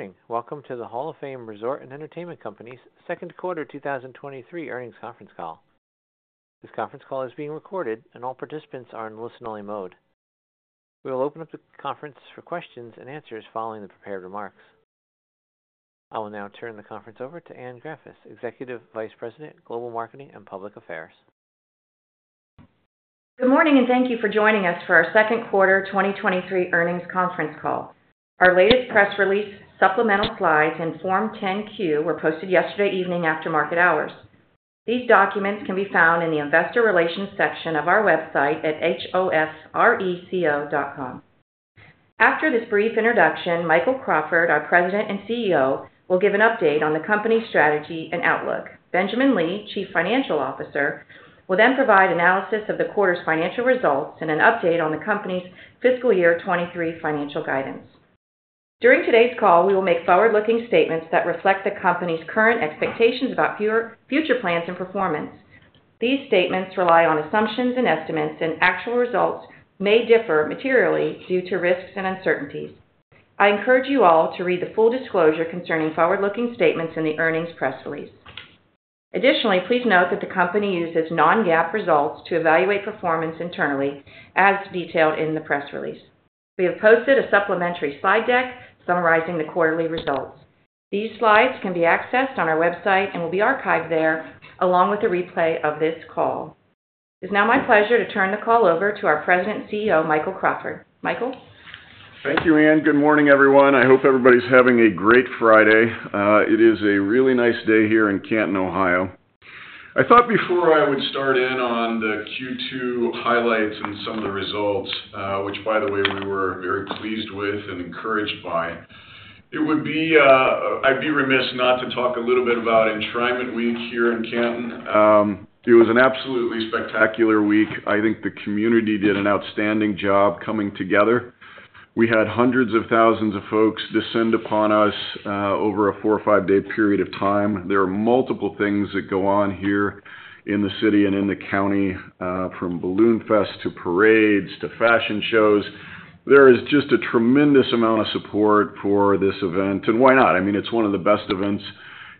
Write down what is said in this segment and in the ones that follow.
Good morning. Welcome to the Hall of Fame Resort & Entertainment Company's Q22023 earnings conference call. This conference call is being recorded, and all participants are in listen-only mode. We will open up the conference for questions and answers following the prepared remarks. I will now turn the conference over to Anne Graffice, Executive Vice President, Global Marketing and Public Affairs. Good morning, thank you for joining us for our Q2 2023 earnings conference call. Our latest press release, supplemental slides, and Form 10-Q were posted yesterday evening after market hours. These documents can be found in the Investor Relations section of our website at hofreco.com. After this brief introduction, Michael Crawford, our President and CEO, will give an update on the company's strategy and outlook. Benjamin Lee, Chief Financial Officer, will then provide analysis of the quarter's financial results and an update on the company's fiscal year 23 financial guidance. During today's call, we will make forward-looking statements that reflect the company's current expectations about future plans and performance. These statements rely on assumptions and estimates. Actual results may differ materially due to risks and uncertainties. I encourage you all to read the full disclosure concerning forward-looking statements in the earnings press release. Additionally, please note that the company uses non-GAAP results to evaluate performance internally, as detailed in the press release. We have posted a supplementary slide deck summarizing the quarterly results. These slides can be accessed on our website and will be archived there, along with the replay of this call. It's now my pleasure to turn the call over to our President and CEO, Michael Crawford. Michael? Thank you, Anne. Good morning, everyone. I hope everybody's having a great Friday. It is a really nice day here in Canton, Ohio. I thought before I would start in on the Q2 highlights and some of the results, which, by the way, we were very pleased with and encouraged by. It would be, I'd be remiss not to talk a little bit about Enshrinement Week here in Canton. It was an absolutely spectacular week. I think the community did an outstanding job coming together. We had hundreds of thousands of folks descend upon us, over a four or five-day period of time. There are multiple things that go on here in the city and in the county, from Balloon Fest to parades to fashion shows. There is just a tremendous amount of support for this event. Why not? I mean, it's one of the best events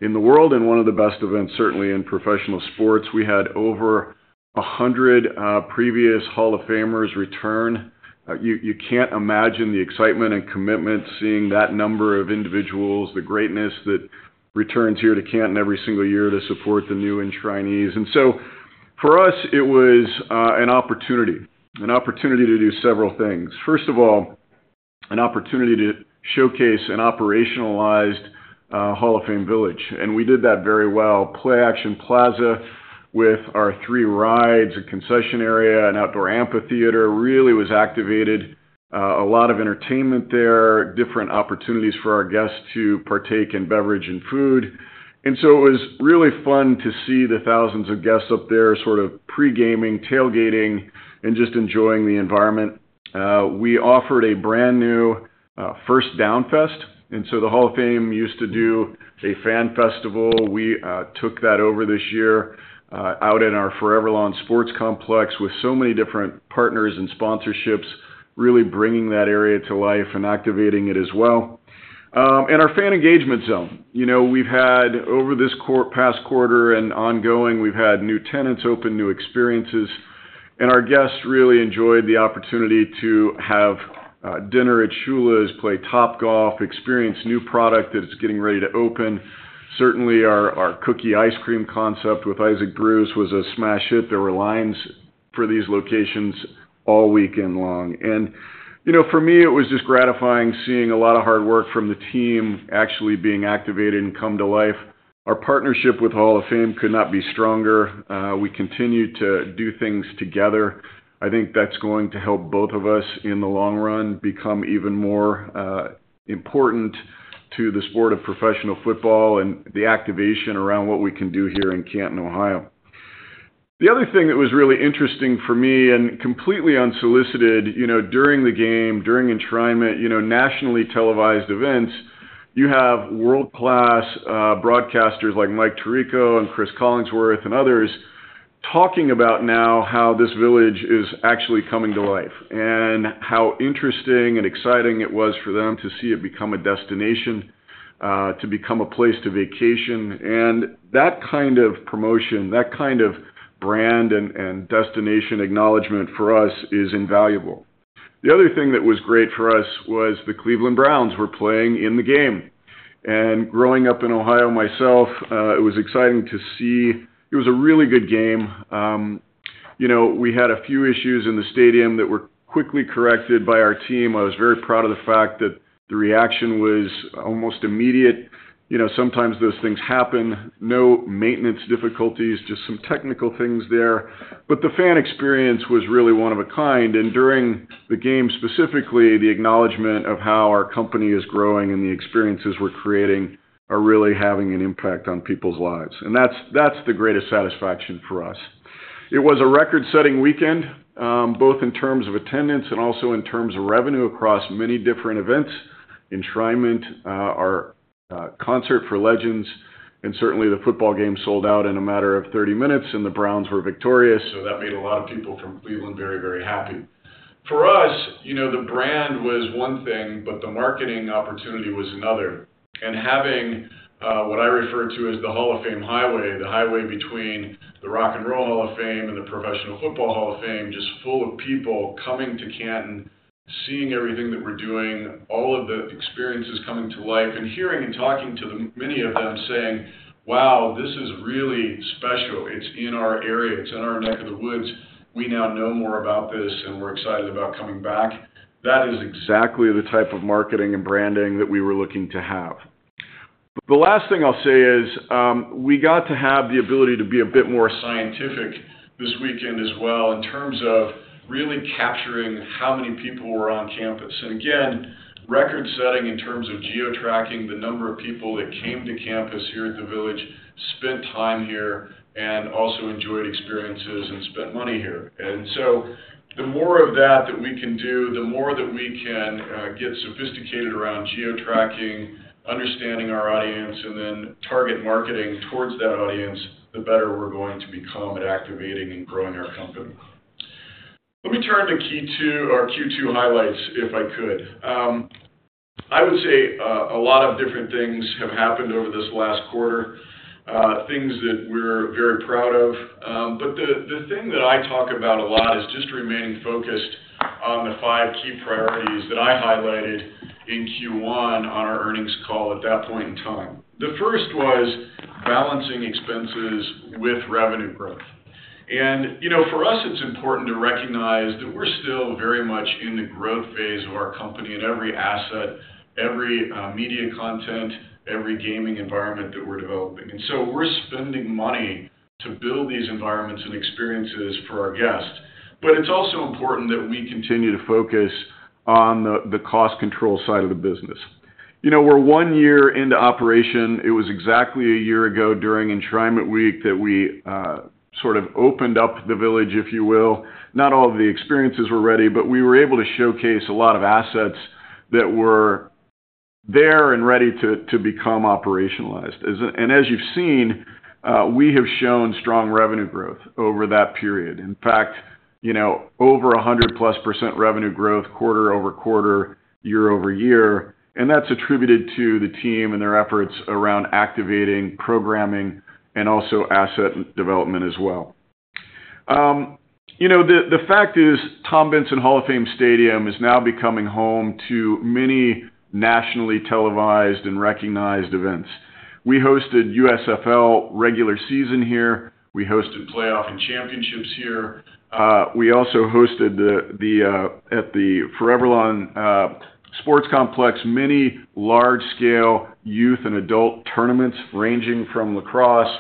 in the world and one of the best events, certainly in professional sports. We had over 100 previous Hall of Famers return. You, you can't imagine the excitement and commitment, seeing that number of individuals, the greatness that returns here to Canton every single year to support the new enshrinees. For us, it was an opportunity, an opportunity to do several things. First of all, an opportunity to showcase an operationalized Hall of Fame Village, and we did that very well. Play-Action Plaza with our three rides, a concession area, an outdoor amphitheater, really was activated, a lot of entertainment there, different opportunities for our guests to partake in beverage and food. It was really fun to see the thousands of guests up there, sort of pre-gaming, tailgating, and just enjoying the environment. We offered a brand-new First Down Fest, the Hall of Fame used to do a fan festival. We took that over this year out in our ForeverLawn Sports Complex, with so many different partners and sponsorships, really bringing that area to life and activating it as well. Our Fan Engagement Zone. You know, we've had over past quarter and ongoing, we've had new tenants open, new experiences, and our guests really enjoyed the opportunity to have dinner at Shula's, play Topgolf, experience new product that is getting ready to open. Certainly, our, our cookie ice cream concept with Isaac Bruce was a smash hit. There were lines for these locations all weekend long. You know, for me, it was just gratifying seeing a lot of hard work from the team actually being activated and come to life. Our partnership with Hall of Fame could not be stronger. We continue to do things together. I think that's going to help both of us in the long run become even more important to the sport of professional football and the activation around what we can do here in Canton, Ohio. The other thing that was really interesting for me, and completely unsolicited, you know, during the game, during Enshrinement, you know, nationally televised events, you have world-class broadcasters like Mike Tirico and Cris Collinsworth and others, talking about now how this village is actually coming to life and how interesting and exciting it was for them to see it become a destination, to become a place to vacation. That kind of promotion, that kind of brand and, and destination acknowledgment for us is invaluable. The other thing that was great for us was the Cleveland Browns were playing in the game, and growing up in Ohio myself, it was exciting to see. It was a really good game. You know, we had a few issues in the stadium that were quickly corrected by our team. I was very proud of the fact that the reaction was almost immediate. You know, sometimes those things happen. No maintenance difficulties, just some technical things there, but the fan experience was really one of a kind. During the game, specifically, the acknowledgment of how our company is growing and the experiences we're creating are really having an impact on people's lives, and that's, that's the greatest satisfaction for us. It was a record-setting weekend, both in terms of attendance and also in terms of revenue across many different events, Enshrinement, our Concert for Legends, and certainly, the football game sold out in a matter of 30 minutes, and the Browns were victorious, so that made a lot of people from Cleveland very, very happy. For us, you know, the brand was one thing, but the marketing opportunity was another. Having what I refer to as the Hall of Fame Highway, the highway between the Rock and Roll Hall of Fame and the Professional Football Hall of Fame, just full of people coming to Canton, seeing everything that we're doing, all of the experiences coming to life, and hearing and talking to the many of them saying, "Wow, this is really special. It's in our area. It's in our neck of the woods. We now know more about this, and we're excited about coming back." That is exactly the type of marketing and branding that we were looking to have. The last thing I'll say is, we got to have the ability to be a bit more scientific this weekend as well, in terms of really capturing how many people were on campus. Again, record-setting in terms of geo-tracking the number of people that came to campus here at the Village, spent time here, and also enjoyed experiences and spent money here. So the more of that that we can do, the more that we can get sophisticated around geo-tracking, understanding our audience, and then target marketing towards that audience, the better we're going to become at activating and growing our company. Let me turn to key two or Q2 highlights, if I could. I would say a lot of different things have happened over this last quarter, things that we're very proud of. The thing that I talk about a lot is just remaining focused on the five key priorities that I highlighted in Q1 on our earnings call at that point in time. The first was balancing expenses with revenue growth. You know, for us, it's important to recognize that we're still very much in the growth phase of our company in every asset, every media content, every gaming environment that we're developing. We're spending money to build these environments and experiences for our guests. It's also important that we continue to focus on the cost control side of the business. You know, we're one year into operation. It was exactly a year ago, during Enshrinement Week, that we, sort of opened up the village, if you will. Not all of the experiences were ready, we were able to showcase a lot of assets that were there and ready to, to become operationalized. As you've seen, we have shown strong revenue growth over that period. In fact, you know, over 100+% revenue growth, quarter-over-quarter, year-over-year, and that's attributed to the team and their efforts around activating, programming, and also asset development as well. You know, the, the fact is, Tom Benson Hall of Fame Stadium is now becoming home to many nationally televised and recognized events. We hosted USFL regular season here. We hosted playoff and championships here. We also hosted the at the ForeverLawn Sports Complex, many large-scale youth and adult tournaments, ranging from lacrosse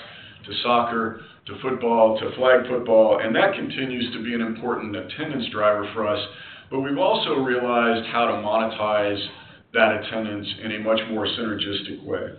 to soccer, to football, to flag football, and that continues to be an important attendance driver for us. We've also realized how to monetize that attendance in a much more synergistic way.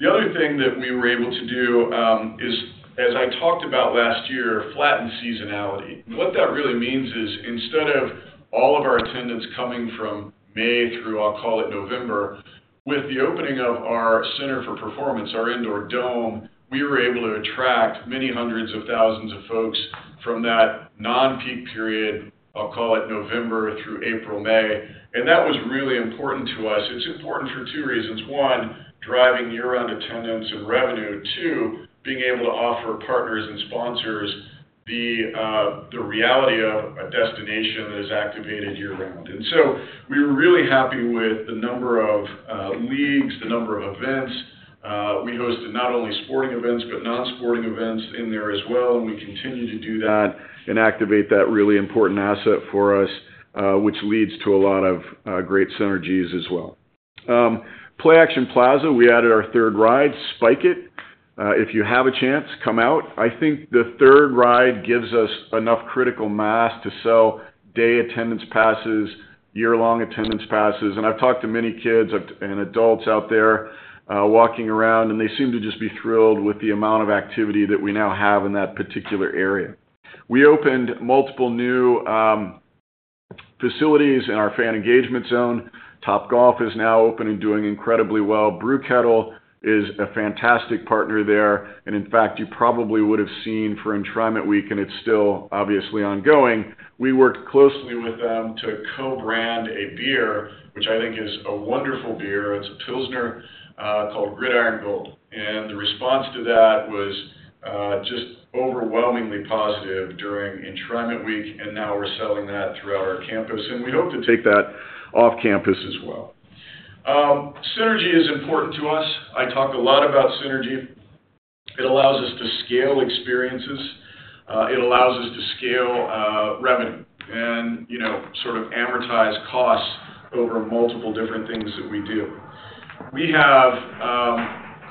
The other thing that we were able to do, is, as I talked about last year, flatten seasonality. What that really means is, instead of all of our attendance coming from May through, I'll call it, November, with the opening of our Center for Performance, our indoor dome, we were able to attract many hundreds of thousands of folks from that non-peak period, I'll call it November through April, May. That was really important to us. It's important for two reasons: one, driving year-round attendance and revenue. Two, being able to offer partners and sponsors the reality of a destination that is activated year-round. We were really happy with the number of leagues, the number of events. We hosted not only sporting events, but non-sporting events in there as well, and we continue to do that and activate that really important asset for us, which leads to a lot of great synergies as well. Play Action Plaza, we added our third ride, Spike It! If you have a chance, come out. I think the third ride gives us enough critical mass to sell day attendance passes, year-long attendance passes, and I've talked to many kids and adults out there, walking around, and they seem to just be thrilled with the amount of activity that we now have in that particular area. We opened multiple new facilities in our Fan Engagement Zone. Topgolf is now open and doing incredibly well. Brew Kettle is a fantastic partner there, and in fact, you probably would have seen for Enshrinement Week, and it's still obviously ongoing, we worked closely with them to co-brand a beer, which I think is a wonderful beer. It's a pilsner, called Gridiron Gold, and the response to that was just overwhelmingly positive during Enshrinement Week, and now we're selling that throughout our campus, and we hope to take that off-campus as well. Synergy is important to us. I talk a lot about synergy. It allows us to scale experiences, it allows us to scale revenue and, you know, sort of amortize costs over multiple different things that we do. We have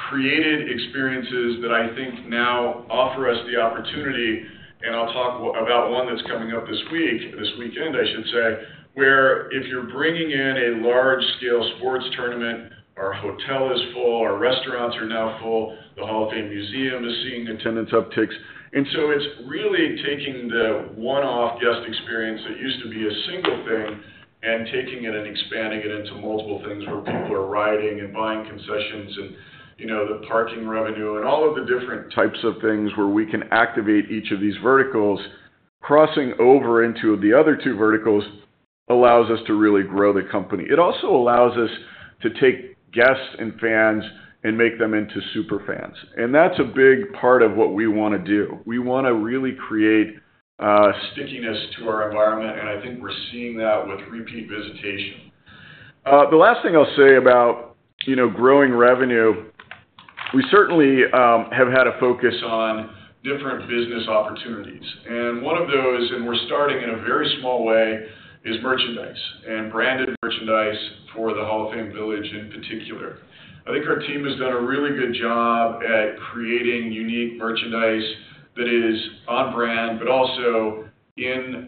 created experiences that I think now offer us the opportunity, and I'll talk about one that's coming up this weekend, I should say, where if you're bringing in a large-scale sports tournament, our hotel is full, our restaurants are now full, the Hall of Fame Museum is seeing attendance upticks. It's really taking the one-off guest experience that used to be a single thing, and taking it and expanding it into multiple things where people are riding and buying concessions and, you know, the parking revenue and all of the different types of things where we can activate each of these verticals, crossing over into the other two verticals allows us to really grow the company. It also allows us to take guests and fans and make them into super fans, and that's a big part of what we wanna do. We wanna really create stickiness to our environment, and I think we're seeing that with repeat visitation. The last thing I'll say about, you know, growing revenue, we certainly have had a focus on different business opportunities, and one of those, and we're starting in a very small way, is merchandise and branded merchandise for the Hall of Fame Village in particular. I think our team has done a really good job at creating unique merchandise that is on brand, but also in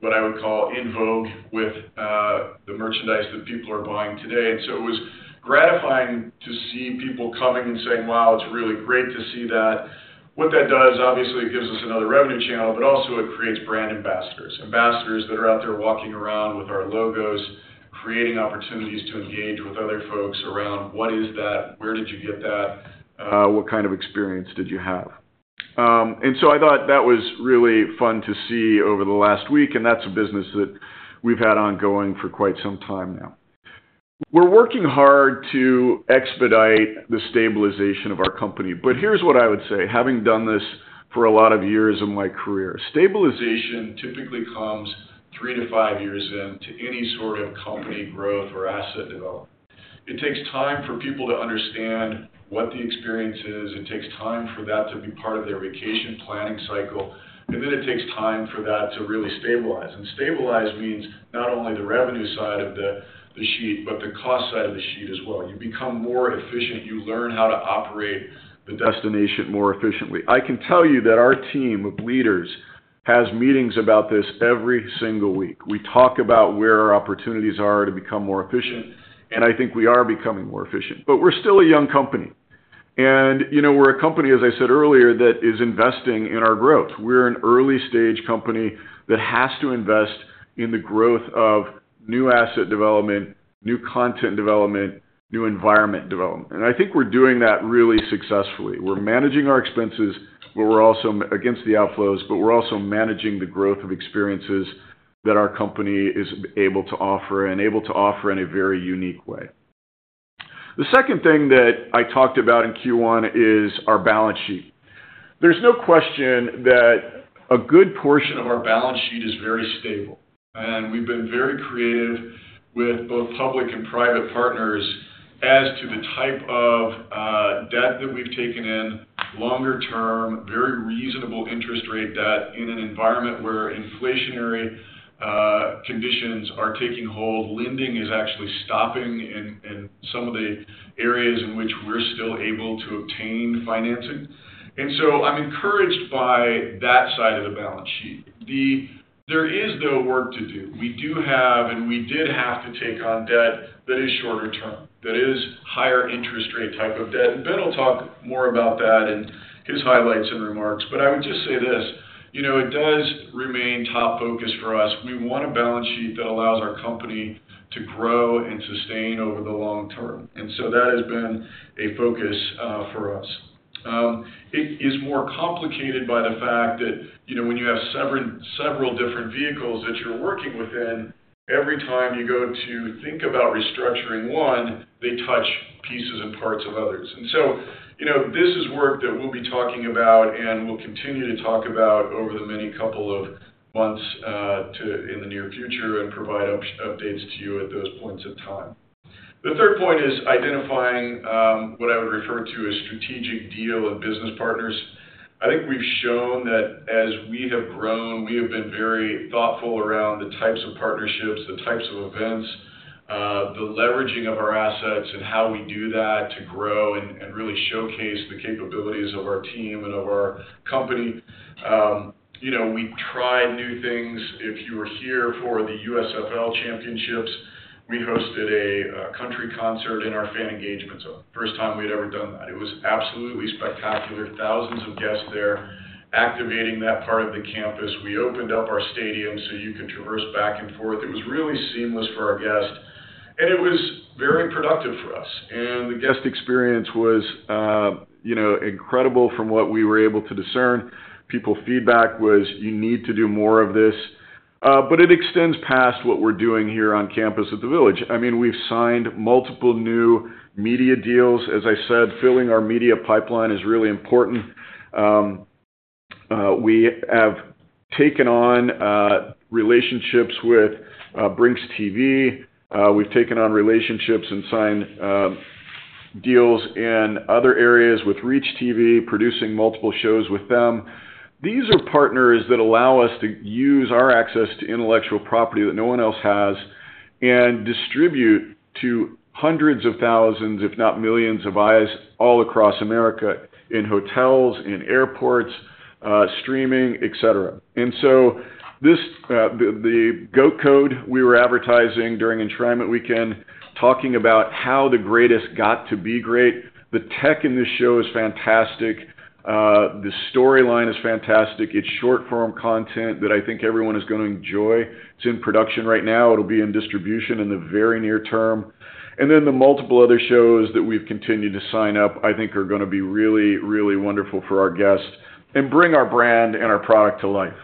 what I would call in vogue with the merchandise that people are buying today. So it was gratifying to see people coming and saying, "Wow, it's really great to see that." What that does, obviously, it gives us another revenue channel, but also it creates brand ambassadors. Ambassadors that are out there walking around with our logos, creating opportunities to engage with other folks around, "What is that? Where did you get that? What kind of experience did you have?" So I thought that was really fun to see over the last week, and that's a business that we've had ongoing for quite some time now. We're working hard to expedite the stabilization of our company. Here's what I would say, having done this for a lot of years in my career: stabilization typically comes three to five years in to any sort of company growth or asset development. It takes time for people to understand what the experience is. It takes time for that to be part of their vacation planning cycle, and then it takes time for that to really stabilize. Stabilize means not only the revenue side of the sheet, but the cost side of the sheet as well. You become more efficient. You learn how to operate the destination more efficiently. I can tell you that our team of leaders has meetings about this every single week. We talk about where our opportunities are to become more efficient, and I think we are becoming more efficient. We're still a young company. You know, we're a company, as I said earlier, that is investing in our growth. We're an early-stage company that has to invest in the growth of new asset development, new content development, new environment development, and I think we're doing that really successfully. We're managing our expenses, but we're also-- against the outflows, but we're also managing the growth of experiences that our company is able to offer and able to offer in a very unique way. The second thing that I talked about in Q1 is our balance sheet. There's no question that a good portion of our balance sheet is very stable, and we've been very creative with both public and private partners as to the type of, debt that we've taken in, longer term, very reasonable interest rate debt in an environment where inflationary, conditions are taking hold. Lending is actually stopping in, in some of the areas in which we're still able to obtain financing. So I'm encouraged by that side of the balance sheet. There is no work to do. We do have, we did have to take on debt that is shorter term, that is higher interest rate type of debt, Ben will talk more about that in his highlights and remarks. I would just say this: You know, it does remain top focus for us. We want a balance sheet that allows our company to grow and sustain over the long term, so that has been a focus for us. It is more complicated by the fact that, you know, when you have several, several different vehicles that you're working within, every time you go to think about restructuring one, they touch pieces and parts of others. You know, this is work that we'll be talking about, and we'll continue to talk about over the many couple of months in the near future and provide updates to you at those points of time. The third point is identifying what I would refer to as strategic deal and business partners. I think we've shown that as we have grown, we have been very thoughtful around the types of partnerships, the types of events, the leveraging of our assets and how we do that to grow and, and really showcase the capabilities of our team and of our company. You know, we try new things. If you were here for the USFL championships, we hosted a country concert in our Fan Engagement Zone. First time we'd ever done that. It was absolutely spectacular. Thousands of guests there activating that part of the campus. We opened up our stadium so you can traverse back and forth. It was really seamless for our guests, and it was very productive for us. The guest experience was, you know, incredible from what we were able to discern. People feedback was, "You need to do more of this." It extends past what we're doing here on campus at the village. I mean, we've signed multiple new media deals. As I said, filling our media pipeline is really important. We have taken on relationships with Brinx.TV. We've taken on relationships and signed deals in other areas with ReachTV, producing multiple shows with them. These are partners that allow us to use our access to intellectual property that no one else has and distribute to hundreds of thousands, if not millions, of eyes all across America in hotels, in airports, streaming, et cetera. This, the GOAT Code we were advertising during Enshrinement Week, talking about how the greatest got to be great. The tech in this show is fantastic. The storyline is fantastic. It's short-form content that I think everyone is going to enjoy. It's in production right now. It'll be in distribution in the very near term. The multiple other shows that we've continued to sign up, I think are gonna be really, really wonderful for our guests and bring our brand and our product to life.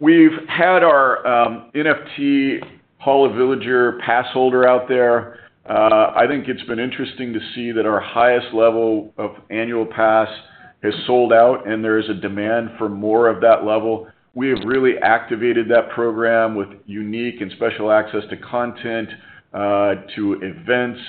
We've had our NFT HOFV Villager pass holder out there. I think it's been interesting to see that our highest level of annual pass has sold out, there is a demand for more of that level. We have really activated that program with unique and special access to content, to events,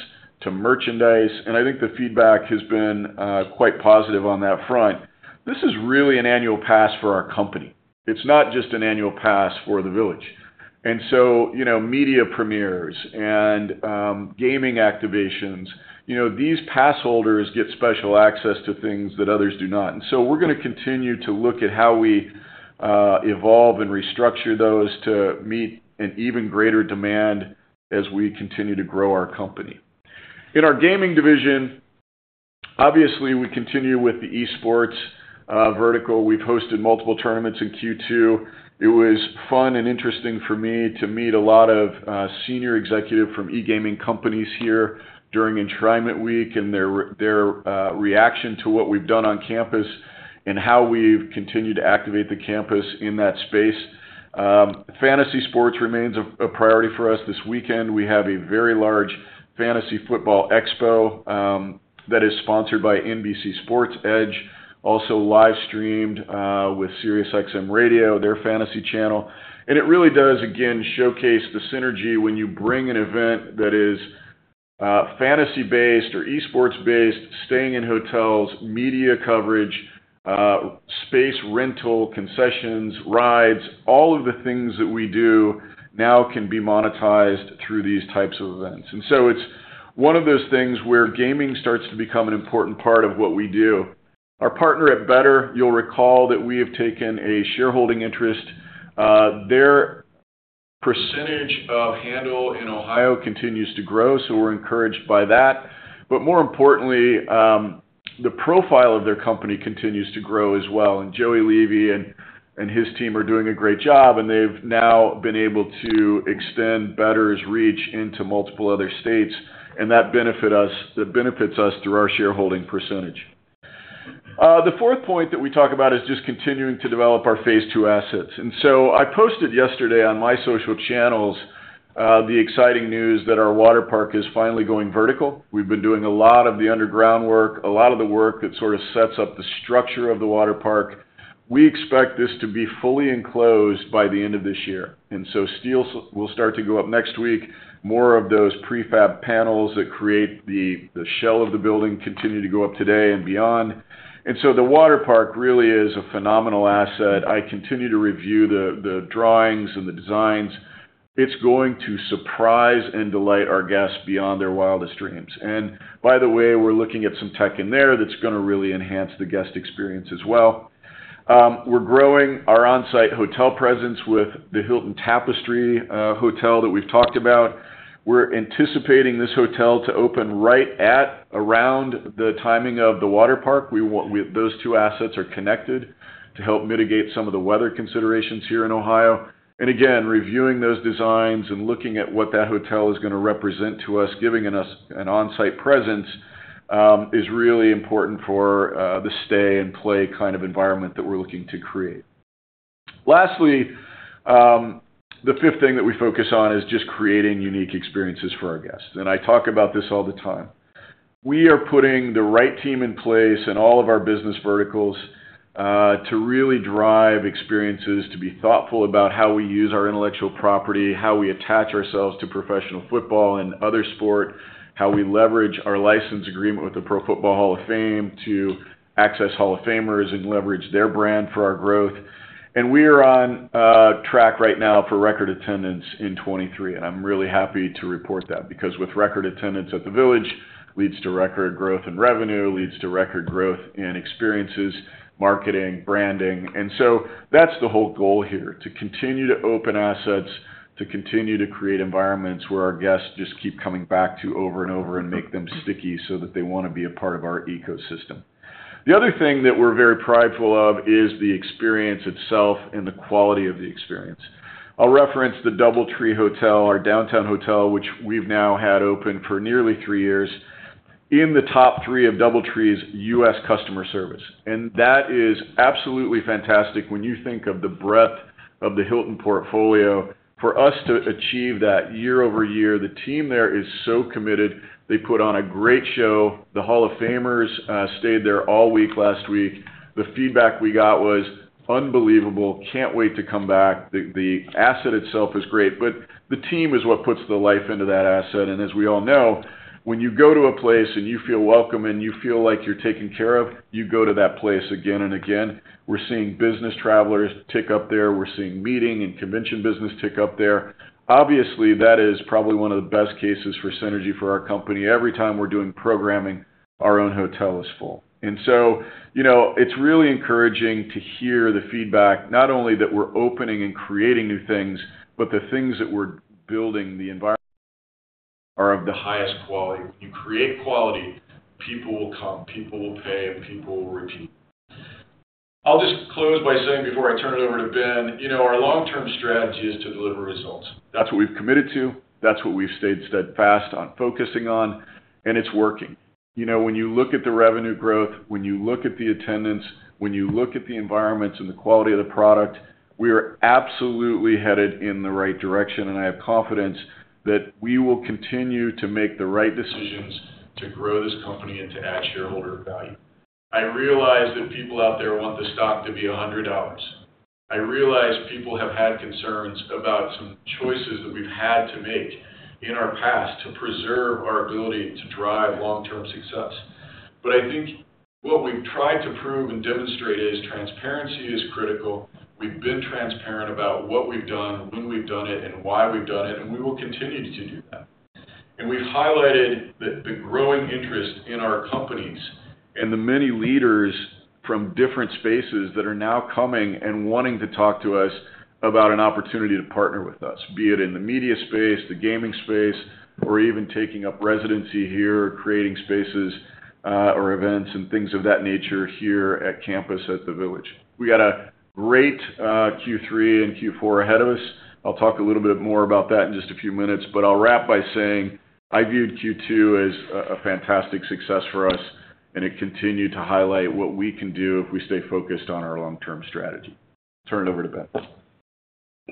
to merchandise, and I think the feedback has been quite positive on that front. This is really an annual pass for our company. It's not just an annual pass for the Village. You know, media premieres and gaming activations, you know, these pass holders get special access to things that others do not. We're gonna continue to look at how we evolve and restructure those to meet an even greater demand as we continue to grow our company. In our gaming division, obviously, we continue with the eSports vertical. We've hosted multiple tournaments in Q2. It was fun and interesting for me to meet a lot of senior executive from eGaming companies here during Enshrinement Week, their reaction to what we've done on campus and how we've continued to activate the campus in that space. Fantasy sports remains a, a priority for us. This weekend, we have a very large fantasy football expo, that is sponsored by NBC Sports Edge, also live streamed with SiriusXM Radio, their fantasy channel. It really does, again, showcase the synergy when you bring an event that is fantasy-based or esports-based, staying in hotels, media coverage, space rental, concessions, rides. All of the things that we do now can be monetized through these types of events. So it's one of those things where gaming starts to become an important part of what we do. Our partner at Betr, you'll recall that we have taken a shareholding interest. Their percentage of handle in Ohio continues to grow, so we're encouraged by that. More importantly, the profile of their company continues to grow as well, and Joey Levy and his team are doing a great job, and they've now been able to extend Betr's reach into multiple other states, and that benefits us through our shareholding percentage. The fourth point that we talk about is just continuing to develop our phase II assets. I posted yesterday on my social channels, the exciting news that our water park is finally going vertical. We've been doing a lot of the underground work, a lot of the work that sort of sets up the structure of the water park. We expect this to be fully enclosed by the end of this year, so steel will start to go up next week. More of those prefab panels that create the, the shell of the building continue to go up today and beyond. So the water park really is a phenomenal asset. I continue to review the, the drawings and the designs. It's going to surprise and delight our guests beyond their wildest dreams. By the way, we're looking at some tech in there that's gonna really enhance the guest experience as well. We're growing our on-site hotel presence with the Hilton Tapestry Hotel that we've talked about. We're anticipating this hotel to open right at around the timing of the water park. Those two assets are connected to help mitigate some of the weather considerations here in Ohio. Again, reviewing those designs and looking at what that hotel is gonna represent to us, giving us an on-site presence, is really important for the stay-and-play kind of environment that we're looking to create. Lastly, the fifth thing that we focus on is just creating unique experiences for our guests, and I talk about this all the time. We are putting the right team in place in all of our business verticals to really drive experiences, to be thoughtful about how we use our intellectual property, how we attach ourselves to professional football and other sport, how we leverage our license agreement with the Pro Football Hall of Fame to access Hall of Famers and leverage their brand for our growth. We are on track right now for record attendance in 2023, and I'm really happy to report that, because with record attendance at the Village, leads to record growth in revenue, leads to record growth in experiences, marketing, branding. That's the whole goal here, to continue to open assets, to continue to create environments where our guests just keep coming back to over and over and make them sticky, so that they wanna be a part of our ecosystem. The other thing that we're very prideful of is the experience itself and the quality of the experience. I'll reference the DoubleTree Hotel, our downtown hotel, which we've now had open for nearly three years, in the top three of DoubleTree's U.S. customer service, and that is absolutely fantastic when you think of the breadth of the Hilton portfolio. For us to achieve that year-over-year, the team there is so committed. They put on a great show. The Hall of Famers stayed there all week last week. The feedback we got was unbelievable, "Can't wait to come back." The asset itself is great, but the team is what puts the life into that asset. As we all know, when you go to a place and you feel welcome, and you feel like you're taken care of, you go to that place again and again. We're seeing business travelers tick up there. We're seeing meeting and convention business tick up there. Obviously, that is probably one of the best cases for synergy for our company. Every time we're doing programming, our own hotel is full. You know, it's really encouraging to hear the feedback, not only that we're opening and creating new things, but the things that we're building, the environment, are of the highest quality. You create quality, people will come, people will pay, and people will repeat. I'll just close by saying before I turn it over to Ben, you know, our long-term strategy is to deliver results. That's what we've committed to, that's what we've stayed steadfast on focusing on, and it's working. You know, when you look at the revenue growth, when you look at the attendance, when you look at the environments and the quality of the product, we are absolutely headed in the right direction, and I have confidence that we will continue to make the right decisions to grow this company and to add shareholder value. I realize that people out there want the stock to be $100. I realize people have had concerns about some choices that we've had to make in our past to preserve our ability to drive long-term success. I think what we've tried to prove and demonstrate is transparency is critical. We've been transparent about what we've done, when we've done it, and why we've done it, and we will continue to do that. We've highlighted the, the growing interest in our companies and the many leaders from different spaces that are now coming and wanting to talk to us about an opportunity to partner with us, be it in the media space, the gaming space, or even taking up residency here, or creating spaces, or events and things of that nature here at Campus at the Village. We got a great Q3 and Q4 ahead of us. I'll talk a little bit more about that in just a few minutes, but I'll wrap by saying I viewed Q2 as a fantastic success for us, and it continued to highlight what we can do if we stay focused on our long-term strategy. Turn it over to Ben.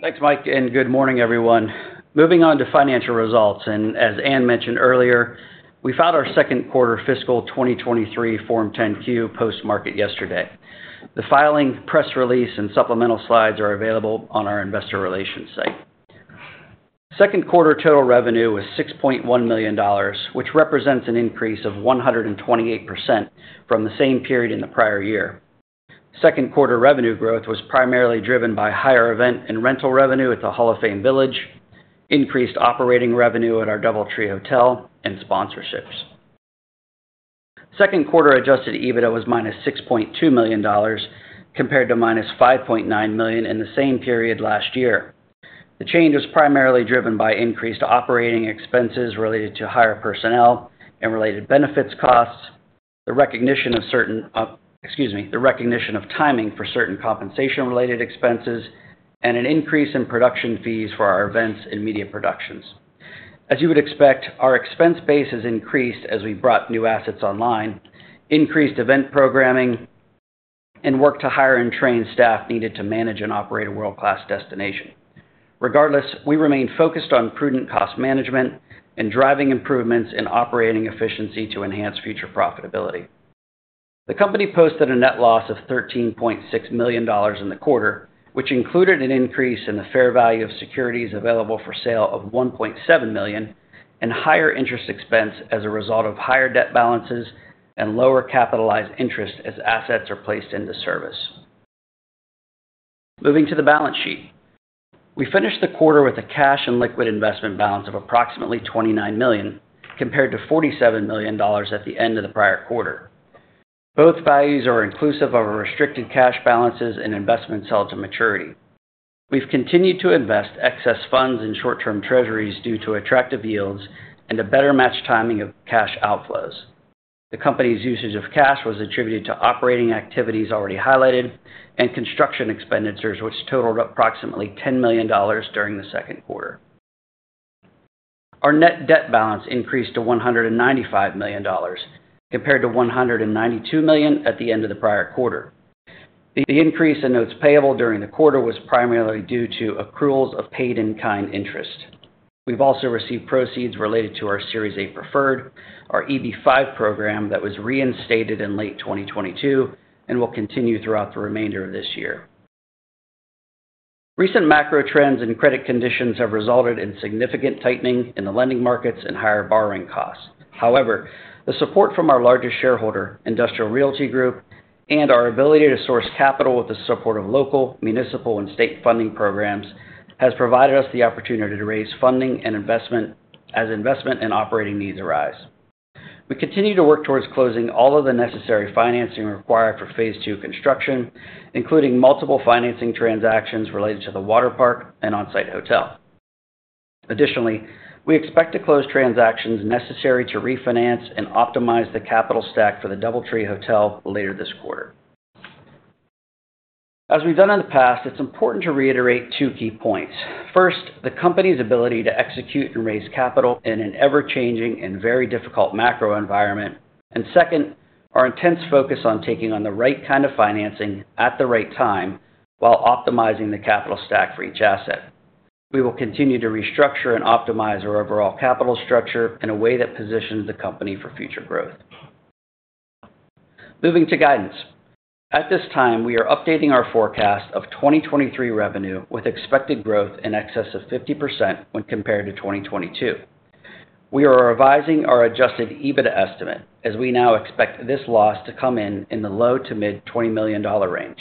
Thanks, Mike. Good morning, everyone. Moving on to financial results, as Ann mentioned earlier, we filed our Q2 fiscal 2023 Form 10-Q post-market yesterday. The filing, press release, and supplemental slides are available on our Investor Relations site. Q2 total revenue was $6.1 million, which represents an increase of 128% from the same period in the prior year. Q2 revenue growth was primarily driven by higher event and rental revenue at the Hall of Fame Village, increased operating revenue at our DoubleTree Hotel, and sponsorships. Q2 adjusted EBITDA was -$6.2 million, compared to -$5.9 million in the same period last year. The change was primarily driven by increased operating expenses related to higher personnel and related benefits costs, the recognition of certain, excuse me, the recognition of timing for certain compensation-related expenses, and an increase in production fees for our events and media productions. As you would expect, our expense base has increased as we brought new assets online, increased event programming, and worked to hire and train staff needed to manage and operate a world-class destination. Regardless, we remain focused on prudent cost management and driving improvements in operating efficiency to enhance future profitability. The company posted a net loss of $13.6 million in the quarter, which included an increase in the fair value of securities available for sale of $1.7 million, and higher interest expense as a result of higher debt balances and lower capitalized interest as assets are placed into service. Moving to the balance sheet. We finished the quarter with a cash and liquid investment balance of approximately $29 million, compared to $47 million at the end of the prior quarter. Both values are inclusive of our restricted cash balances and investment sale to maturity. We've continued to invest excess funds in short-term treasuries due to attractive yields and a better match timing of cash outflows. The company's usage of cash was attributed to operating activities already highlighted and construction expenditures, which totaled approximately $10 million during the Q2. Our net debt balance increased to $195 million, compared to $192 million at the end of the prior quarter. The increase in notes payable during the quarter was primarily due to accruals of paid-in-kind interest. We've also received proceeds related to our Series A Preferred, our EB-5 program that was reinstated in late 2022 and will continue throughout the remainder of this year. Recent macro trends and credit conditions have resulted in significant tightening in the lending markets and higher borrowing costs. However, the support from our largest shareholder, Industrial Realty Group, and our ability to source capital with the support of local, municipal, and state funding programs, has provided us the opportunity to raise funding and investment as investment and operating needs arise. We continue to work towards closing all of the necessary financing required for phase II construction, including multiple financing transactions related to the water park and on-site hotel. Additionally, we expect to close transactions necessary to refinance and optimize the capital stack for the DoubleTree Hotel later this quarter. As we've done in the past, it's important to reiterate two key points. First, the company's ability to execute and raise capital in an ever-changing and very difficult macro environment. Second, our intense focus on taking on the right kind of financing at the right time while optimizing the capital stack for each asset. We will continue to restructure and optimize our overall capital structure in a way that positions the company for future growth. Moving to guidance. At this time, we are updating our forecast of 2023 revenue with expected growth in excess of 50% when compared to 2022. We are revising our adjusted EBITDA estimate as we now expect this loss to come in in the low to mid $20 million range.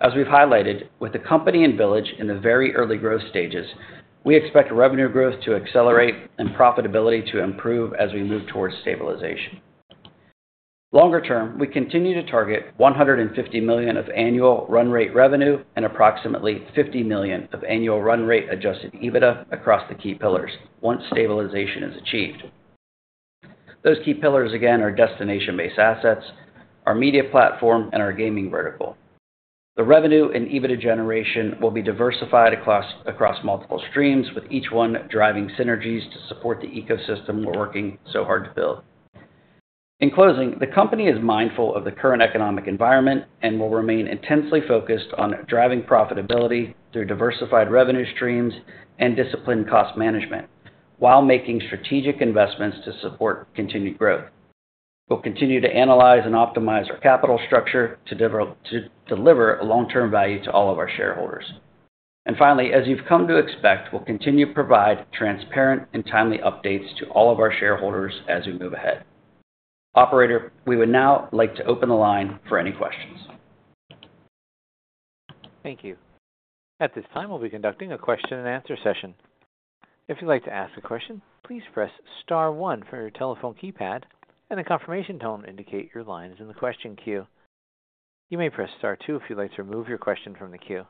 As we've highlighted, with the company and Village in the very early growth stages, we expect revenue growth to accelerate and profitability to improve as we move towards stabilization. Longer term, we continue to target $150 million of annual run rate revenue and approximately $50 million of annual run rate adjusted EBITDA across the key pillars once stabilization is achieved. Those key pillars, again, are destination-based assets, our media platform, and our gaming vertical. The revenue and EBITDA generation will be diversified across multiple streams, with each one driving synergies to support the ecosystem we're working so hard to build. In closing, the company is mindful of the current economic environment and will remain intensely focused on driving profitability through diversified revenue streams and disciplined cost management, while making strategic investments to support continued growth. We'll continue to analyze and optimize our capital structure to deliver long-term value to all of our shareholders. Finally, as you've come to expect, we'll continue to provide transparent and timely updates to all of our shareholders as we move ahead. Operator, we would now like to open the line for any questions. Thank you. At this time, we'll be conducting a question-and-answer session. If you'd like to ask a question, please press star one from your telephone keypad, and a confirmation tone indicate your line is in the question queue. You may press star two if you'd like to remove your question from the queue.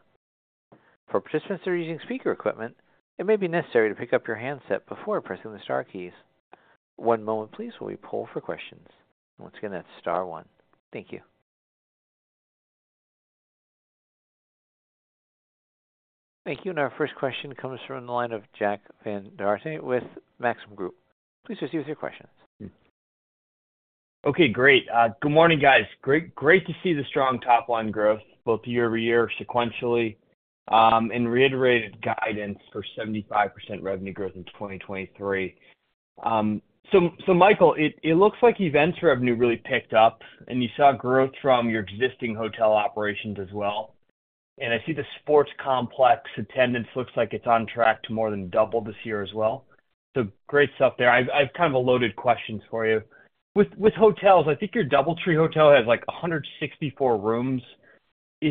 For participants that are using speaker equipment, it may be necessary to pick up your handset before pressing the star keys. One moment please, while we pull for questions. Once again, that's star one. Thank you. Thank you. Our first question comes from the line of Jack Vander Aarde with Maxim Group. Please proceed with your questions. Okay, great. Good morning, guys. Great, great to see the strong top-line growth, both year-over-year sequentially, and reiterated guidance for 75% revenue growth in 2023. So Michael, it, it looks like events revenue really picked up, and you saw growth from your existing hotel operations as well. I see the sports complex attendance looks like it's on track to more than double this year as well. Great stuff there. I've, I've kind of a loaded question for you. With, with hotels, I think your DoubleTree Hotel has, like, 164 rooms. So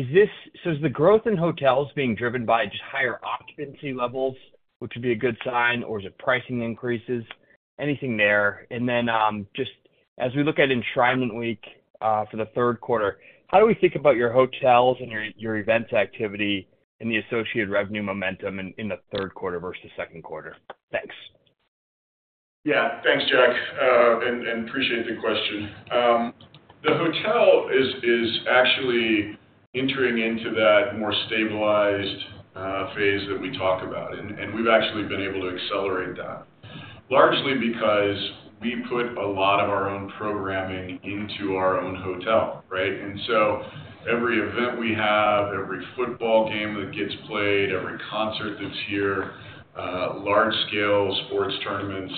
is the growth in hotels being driven by just higher occupancy levels, which would be a good sign, or is it pricing increases? Anything there. Just as we look at Enshrinement Week, for the Q3, how do we think about your hotels and your, your events activity and the associated revenue momentum in, in the Q3 versus Q2? Thanks. Yeah, thanks, Jack, and appreciate the question. The hotel is actually entering into that more stabilized phase that we talk about, and we've actually been able to accelerate that. Largely because we put a lot of our own programming into our own hotel, right? So every event we have, every football game that gets played, every concert that's here, large-scale sports tournaments,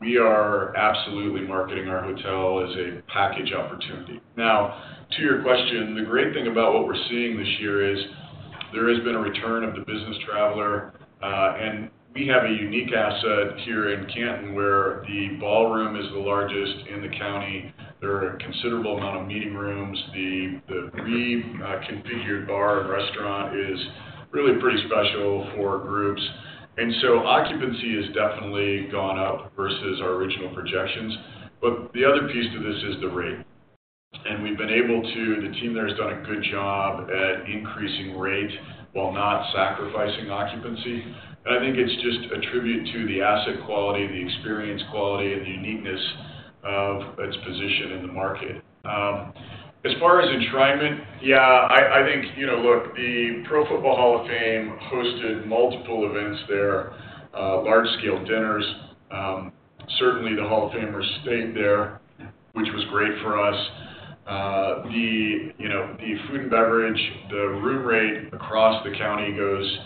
we are absolutely marketing our hotel as a package opportunity. To your question, the great thing about what we're seeing this year is there has been a return of the business traveler, and we have a unique asset here in Canton, where the ballroom is the largest in the county. There are a considerable amount of meeting rooms. The reconfigured bar and restaurant is really pretty special for groups, and so occupancy has definitely gone up versus our original projections. The other piece to this is the rate, and we've been able to, the team there has done a good job at increasing rate while not sacrificing occupancy. I think it's just attributed to the asset quality, the experience quality, and the uniqueness of its position in the market. As far as Enshrinement, yeah, I, I think, you know, look, the Pro Football Hall of Fame hosted multiple events there, large-scale dinners. Certainly, the Hall of Famers stayed there, which was great for us. The, you know, the food and beverage, the room rate across the county goes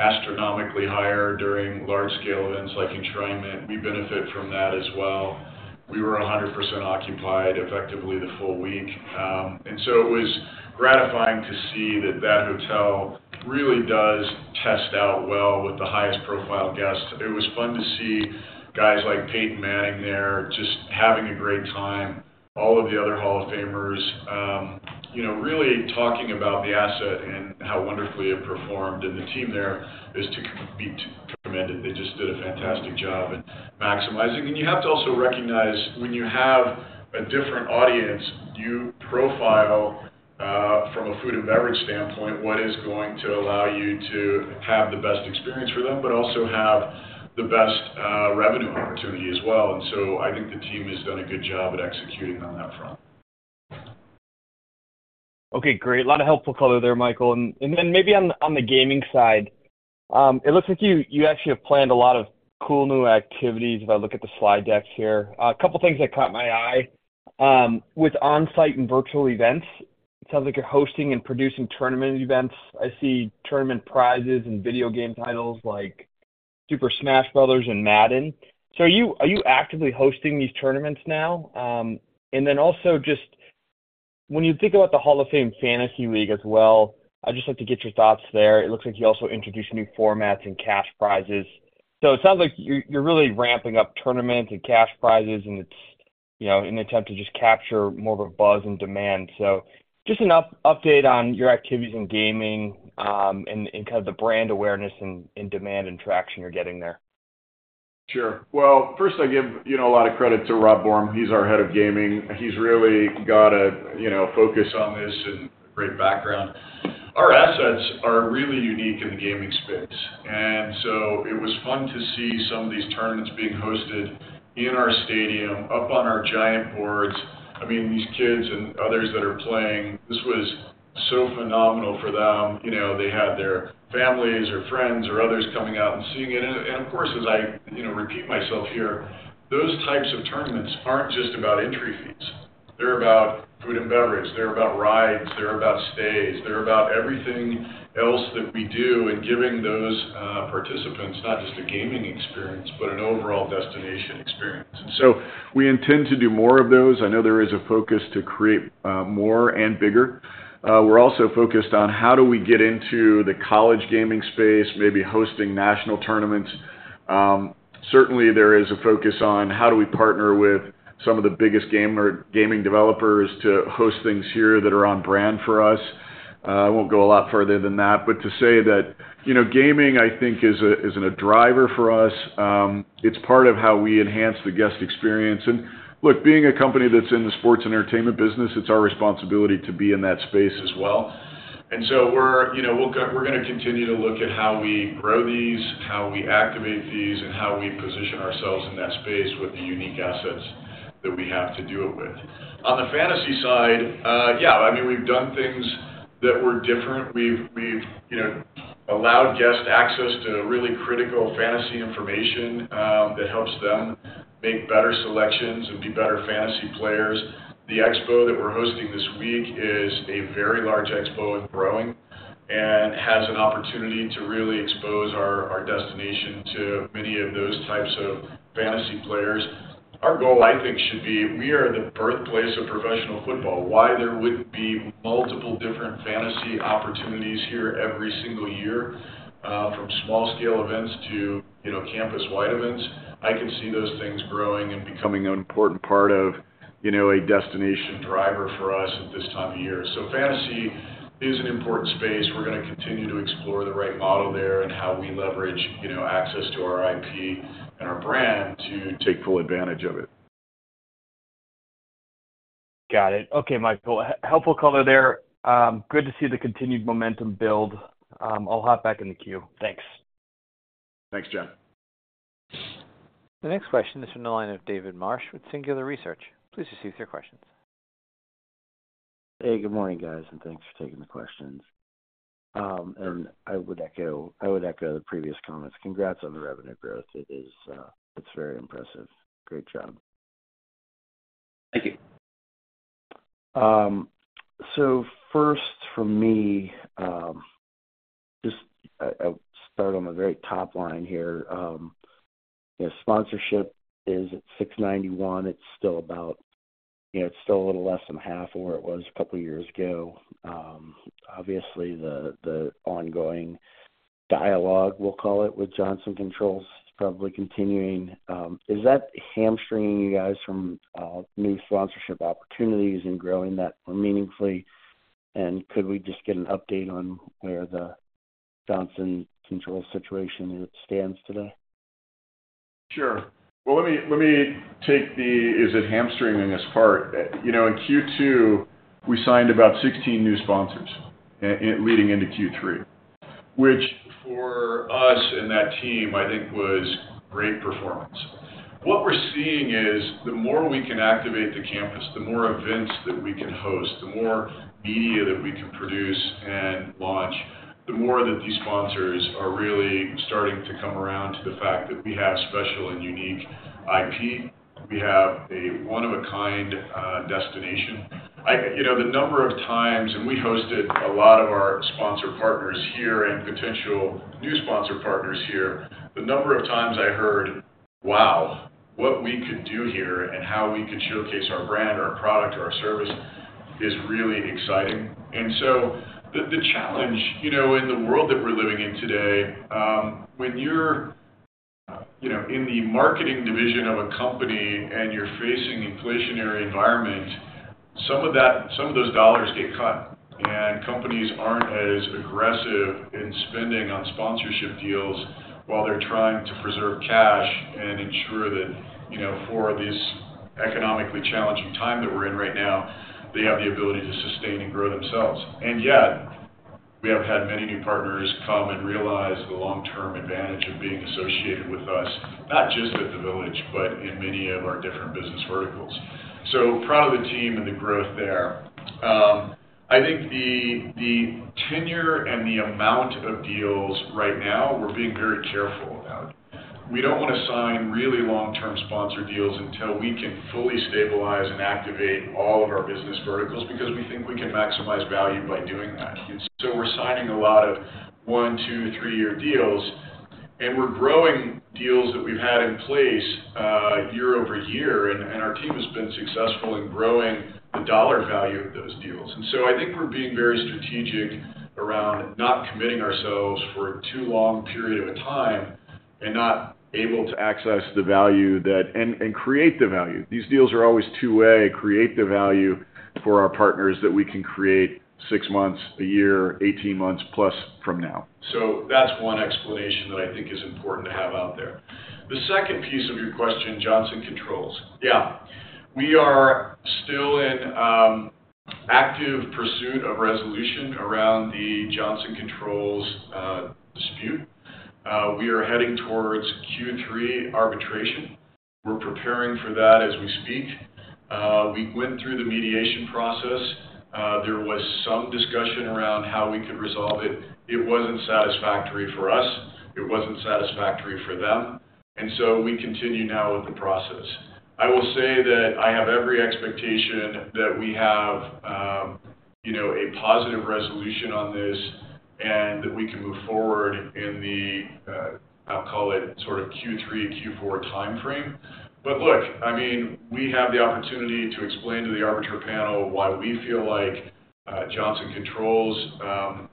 astronomically higher during large-scale events like Pro Football. We benefit from that as well. We were 100% occupied effectively the full week. And so it was gratifying to see that that hotel really does test out well with the highest profile guests. It was fun to see guys like Peyton Manning there, just having a great time. All of the other Hall of Famers, you know, really talking about the asset and how wonderfully it performed, and the team there is to be commended. They just did a fantastic job at maximizing. You have to also recognize when you have a different audience, you profile, from a food and beverage standpoint, what is going to allow you to have the best experience for them, but also have the best revenue opportunity as well. So I think the team has done a good job at executing on that front. Okay, great. A lot of helpful color there, Michael. Maybe on, on the gaming side, it looks like you, you actually have planned a lot of cool new activities if I look at the slide deck here. A couple of things that caught my eye. With on-site and virtual events, it sounds like you're hosting and producing tournament events. I see tournament prizes and video game titles like Super Smash Bros. and Madden. Are you, are you actively hosting these tournaments now? Also just when you think about the Hall Of Fantasy League as well, I'd just like to get your thoughts there. It looks like you also introduced new formats and cash prizes. It sounds like you're, you're really ramping up tournaments and cash prizes, and it's-... you know, in an attempt to just capture more of a buzz and demand. Just an update on your activities in gaming, and, and kind of the brand awareness and, and demand and traction you're getting there. Sure. Well, first, I give, you know, a lot of credit to Rob Borm. He's our head of gaming. He's really got a, you know, focus on this and great background. Our assets are really unique in the gaming space, and so it was fun to see some of these tournaments being hosted in our stadium, up on our giant boards. I mean, these kids and others that are playing, this was so phenomenal for them. You know, they had their families or friends or others coming out and seeing it. Of course, as I, you know, repeat myself here, those types of tournaments aren't just about entry fees. They're about food and beverage. They're about rides. They're about stays. They're about everything else that we do in giving those participants not just a gaming experience, but an overall destination experience. We intend to do more of those. I know there is a focus to create more and bigger. We're also focused on how do we get into the college gaming space, maybe hosting national tournaments. Certainly, there is a focus on how do we partner with some of the biggest gaming developers to host things here that are on brand for us. I won't go a lot further than that, but to say that, you know, gaming, I think, is a driver for us. It's part of how we enhance the guest experience. Look, being a company that's in the sports entertainment business, it's our responsibility to be in that space as well. We're, you know, we're gonna continue to look at how we grow these, how we activate these, and how we position ourselves in that space with the unique assets that we have to do it with. On the fantasy side, yeah, I mean, we've done things that were different. We've, we've, you know, allowed guests access to really critical fantasy information that helps them make better selections and be better fantasy players. The expo that we're hosting this week is a very large expo and growing, and has an opportunity to really expose our, our destination to many of those types of fantasy players. Our goal, I think, should be: We are the birthplace of professional football. Why there would be multiple different fantasy opportunities here every single year, from small-scale events to, you know, campus-wide events. I can see those things growing and becoming an important part of, you know, a destination driver for us at this time of year. Fantasy is an important space. We're gonna continue to explore the right model there and how we leverage, you know, access to our IP and our brand to take full advantage of it. Got it. Okay, Michael, helpful color there. Good to see the continued momentum build. I'll hop back in the queue. Thanks. Thanks, Jack. The next question is from the line of David Marsh with Singular Research. Please proceed with your questions. Hey, good morning, guys, and thanks for taking the questions. I would echo, I would echo the previous comments. Congrats on the revenue growth. It is, it's very impressive. Great job. Thank you. First for me, just I, I'll start on the very top line here. Sponsorship is at $691. It's still about... Yeah, it's still a little less than half of where it was a couple of years ago. Obviously, the, the ongoing dialogue, we'll call it, with Johnson Controls, is probably continuing. Is that hamstringing you guys from new sponsorship opportunities and growing that more meaningfully? Could we just get an update on where the Johnson Controls situation as it stands today? Sure. Well, let me, let me take the, "Is it hamstringing us?" part. You know, in Q2, we signed about 16 new sponsors leading into Q3, which for us and that team, I think, was great performance. What we're seeing is the more we can activate the Campus, the more events that we can host, the more media that we can produce and launch, the more that these sponsors are really starting to come around to the fact that we have special and unique IP. We have a one-of-a-kind destination. You know, the number of times... We hosted a lot of our sponsor partners here and potential new sponsor partners here. The number of times I heard, "Wow, what we could do here and how we could showcase our brand, or our product, or our service, is really exciting." So the, the challenge, you know, in the world that we're living in today, when you're, you know, in the marketing division of a company and you're facing an inflationary environment, some of those dollars get cut, and companies aren't as aggressive in spending on sponsorship deals while they're trying to preserve cash and ensure that, you know, for this economically challenging time that we're in right now, they have the ability to sustain and grow themselves. Yet, we have had many new partners come and realize the long-term advantage of being associated with us, not just at the Village, but in many of our different business verticals. Proud of the team and the growth there. I think the tenure and the amount of deals right now, we're being very careful about. We don't want to sign really long-term sponsor deals until we can fully stabilize and activate all of our business verticals because we think we can maximize value by doing that. We're signing a lot of 1, 2, 3-year deals, and we're growing deals that we've had in place, year-over-year, and our team has been successful in growing the dollar value of those deals. I think we're being very strategic around not committing ourselves for too long a period of time. Not able to access the value that and create the value. These deals are always two-way, create the value for our partners that we can create 6 months, a year, 18 months-plus from now. That's one explanation that I think is important to have out there. The second piece of your question, Johnson Controls. Yeah, we are still in active pursuit of resolution around the Johnson Controls dispute. We are heading towards Q3 arbitration. We're preparing for that as we speak. We went through the mediation process. There was some discussion around how we could resolve it. It wasn't satisfactory for us, it wasn't satisfactory for them, and so we continue now with the process. I will say that I have every expectation that we have, you know, a positive resolution on this, and that we can move forward in the, I'll call it sort of Q3, Q4 time frame. Look, I mean, we have the opportunity to explain to the arbiter panel why we feel like Johnson Controls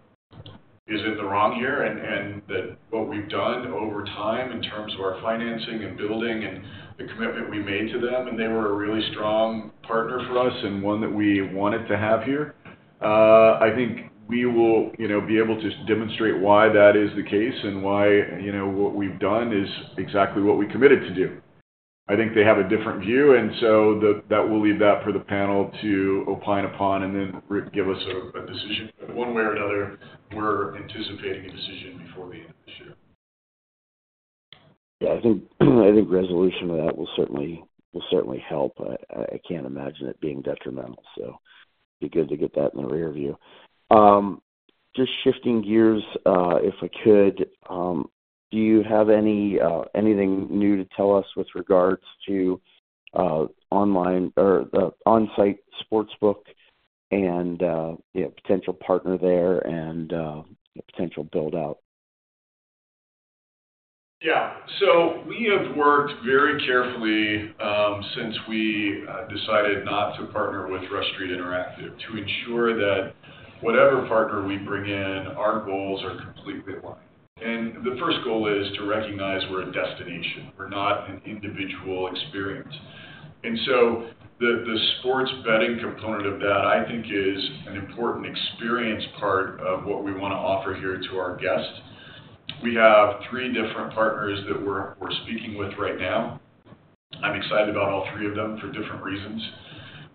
is in the wrong here, and what we've done over time in terms of our financing and building and the commitment we made to them, and they were a really strong partner for us and one that we wanted to have here. I think we will, you know, be able to demonstrate why that is the case and why, you know, what we've done is exactly what we committed to do. I think they have a different view, and so that we'll leave that for the panel to opine upon and then give us a decision. One way or another, we're anticipating a decision before the end of this year. Yeah, I think, I think resolution of that will certainly, will certainly help. I, I, I can't imagine it being detrimental, so be good to get that in the rear view. Just shifting gears, if I could, do you have any anything new to tell us with regards to online or on-site sportsbook and, you know, potential partner there and potential build-out? Yeah. We have worked very carefully since we decided not to partner with Rush Street Interactive to ensure that whatever partner we bring in, our goals are completely aligned. The first goal is to recognize we're a destination, we're not an individual experience. The, the sports betting component of that, I think, is an important experience part of what we wanna offer here to our guests. We have three different partners that we're, we're speaking with right now. I'm excited about all three of them for different reasons.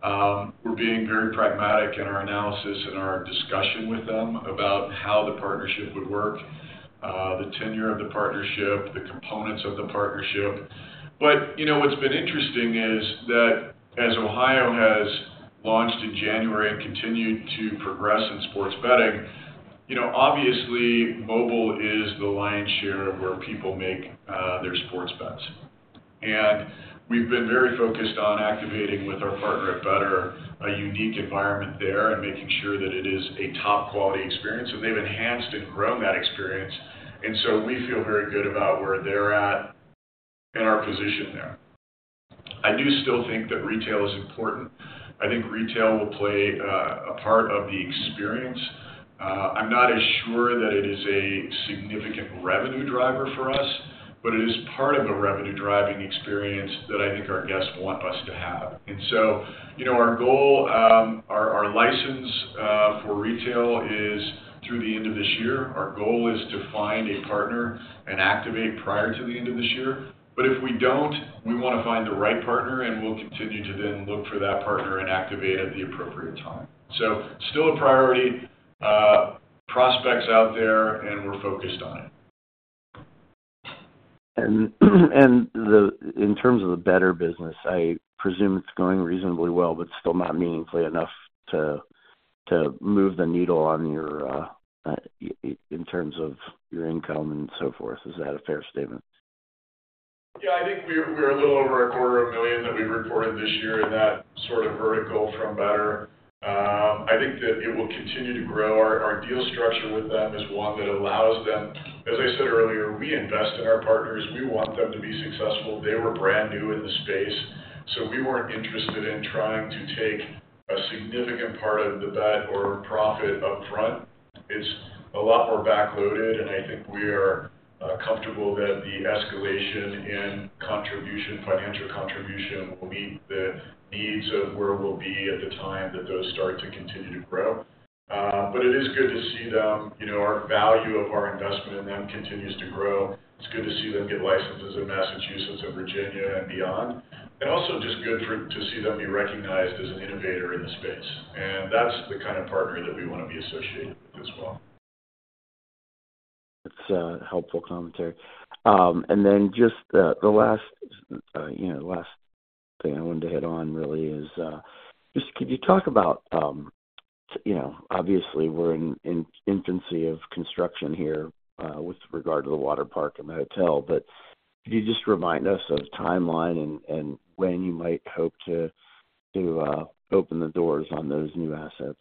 We're being very pragmatic in our analysis and our discussion with them about how the partnership would work, the tenure of the partnership, the components of the partnership. You know, what's been interesting is that as Ohio has launched in January and continued to progress in sports betting, you know, obviously, mobile is the lion's share of where people make their sports bets. We've been very focused on activating with our partner at Betr, a unique environment there, and making sure that it is a top-quality experience, and they've enhanced and grown that experience. So we feel very good about where they're at and our position there. I do still think that retail is important. I think retail will play a part of the experience. I'm not as sure that it is a significant revenue driver for us, but it is part of the revenue-driving experience that I think our guests want us to have. You know, our goal, our, our license, for retail is through the end of this year. Our goal is to find a partner and activate prior to the end of this year. If we don't, we wanna find the right partner, and we'll continue to then look for that partner and activate at the appropriate time. Still a priority, prospects out there, and we're focused on it. In terms of the Betr business, I presume it's going reasonably well, but still not meaningfully enough to move the needle on your in terms of your income and so forth. Is that a fair statement? Yeah, I think we're, we're a little over $250,000 that we reported this year in that sort of vertical from Betr. I think that it will continue to grow. Our, our deal structure with them is one that allows them... As I said earlier, we invest in our partners. We want them to be successful. They were brand new in the space, so we weren't interested in trying to take a significant part of the bet or profit upfront. It's a lot more backloaded, and I think we are comfortable that the escalation in contribution, financial contribution, will meet the needs of where we'll be at the time that those start to continue to grow. It is good to see them, you know, our value of our investment in them continues to grow. It's good to see them get licenses in Massachusetts and Virginia and beyond, and also just good to see them be recognized as an innovator in the space. That's the kind of partner that we wanna be associated with as well. That's a helpful commentary. Then just the, the last, you know, last thing I wanted to hit on really is, just could you talk about, you know, obviously, we're in, in infancy of construction here, with regard to the water park and the hotel, but could you just remind us of the timeline and, and when you might hope to, to, open the doors on those new assets?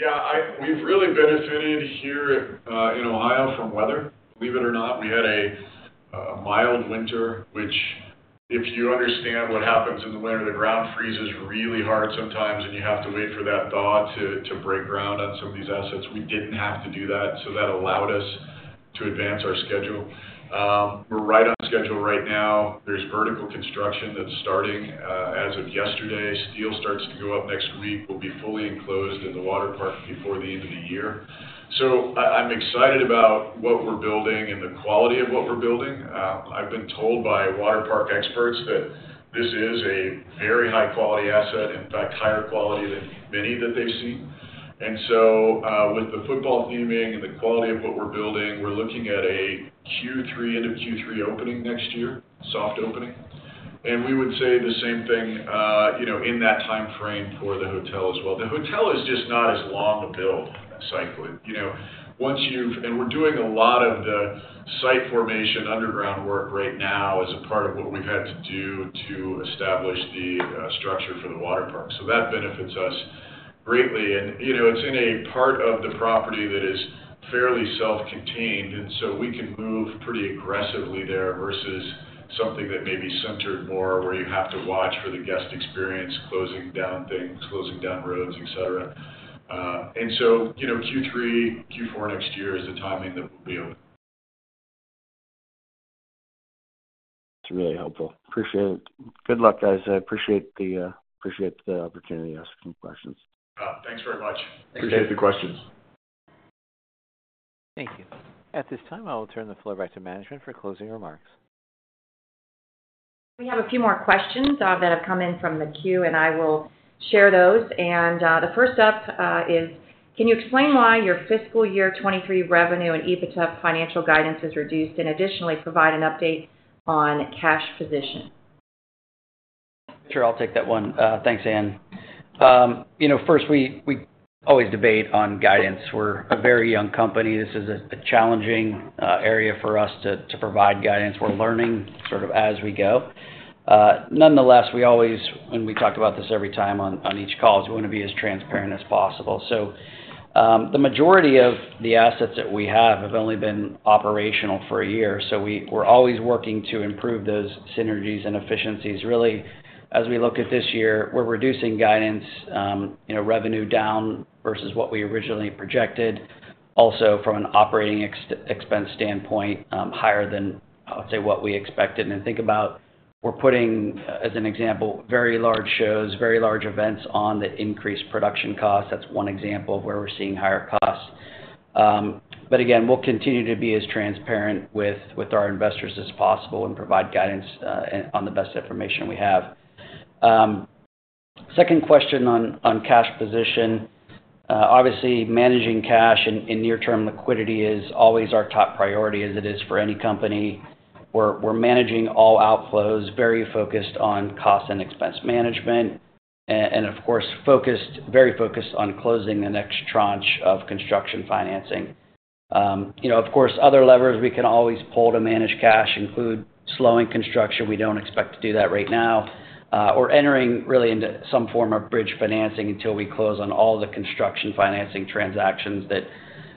Yeah, I-- we've really benefited here in Ohio from weather. Believe it or not, we had a mild winter, which if you understand what happens in the winter, the ground freezes really hard sometimes, and you have to wait for that thaw to, to break ground on some of these assets. We didn't have to do that, so that allowed us to advance our schedule. We're right on schedule right now. There's vertical construction that's starting as of yesterday. Steel starts to go up next week. We'll be fully enclosed in the water park before the end of the year. I, I'm excited about what we're building and the quality of what we're building. I've been told by water park experts that this is a very high-quality asset, in fact, higher quality than many that they've seen. With the football theming and the quality of what we're building, we're looking at a Q3, end of Q3 opening next year, soft opening. We would say the same thing, you know, in that time frame for the hotel as well. The hotel is just not as long a build cycle. You know, and we're doing a lot of the site formation, underground work right now as a part of what we've had to do to establish the structure for the water park. That benefits us greatly. You know, it's in a part of the property that is fairly self-contained, and so we can move pretty aggressively there versus something that may be centered more, where you have to watch for the guest experience, closing down things, closing down roads, et cetera. You know, Q3, Q4 next year is the timing that we'll be open. It's really helpful. Appreciate it. Good luck, guys. I appreciate the, appreciate the opportunity to ask some questions. Thanks very much. Thank you. Appreciate the questions. Thank you. At this time, I will turn the floor back to management for closing remarks. We have a few more questions, that have come in from the queue, and I will share those. The first up, is: Can you explain why your fiscal year 2023 revenue and EBITDA financial guidance is reduced, and additionally, provide an update on cash position? Sure, I'll take that one. thanks, Anne. you know, first, we, we always debate on guidance. We're a very young company. This is a challenging area for us to, to provide guidance. We're learning sort of as we go. Nonetheless, we always, and we talk about this every time on, on each call, is we want to be as transparent as possible. So, the majority of the assets that we have have only been operational for a year, so we're always working to improve those synergies and efficiencies. Really, as we look at this year, we're reducing guidance, you know, revenue down versus what we originally projected. Also, from an operating expense standpoint, higher than, I would say, what we expected. And then think about, we're putting, as an example, very large shows, very large events on the increased production cost. That's one example of where we're seeing higher costs. Again, we'll continue to be as transparent with, with our investors as possible and provide guidance and on the best information we have. Second question on, on cash position. Obviously, managing cash and, and near-term liquidity is always our top priority, as it is for any company. We're, we're managing all outflows, very focused on cost and expense management, and of course, very focused on closing the next tranche of construction financing. You know, of course, other levers we can always pull to manage cash include slowing construction. We don't expect to do that right now, or entering really into some form of bridge financing until we close on all the construction financing transactions that,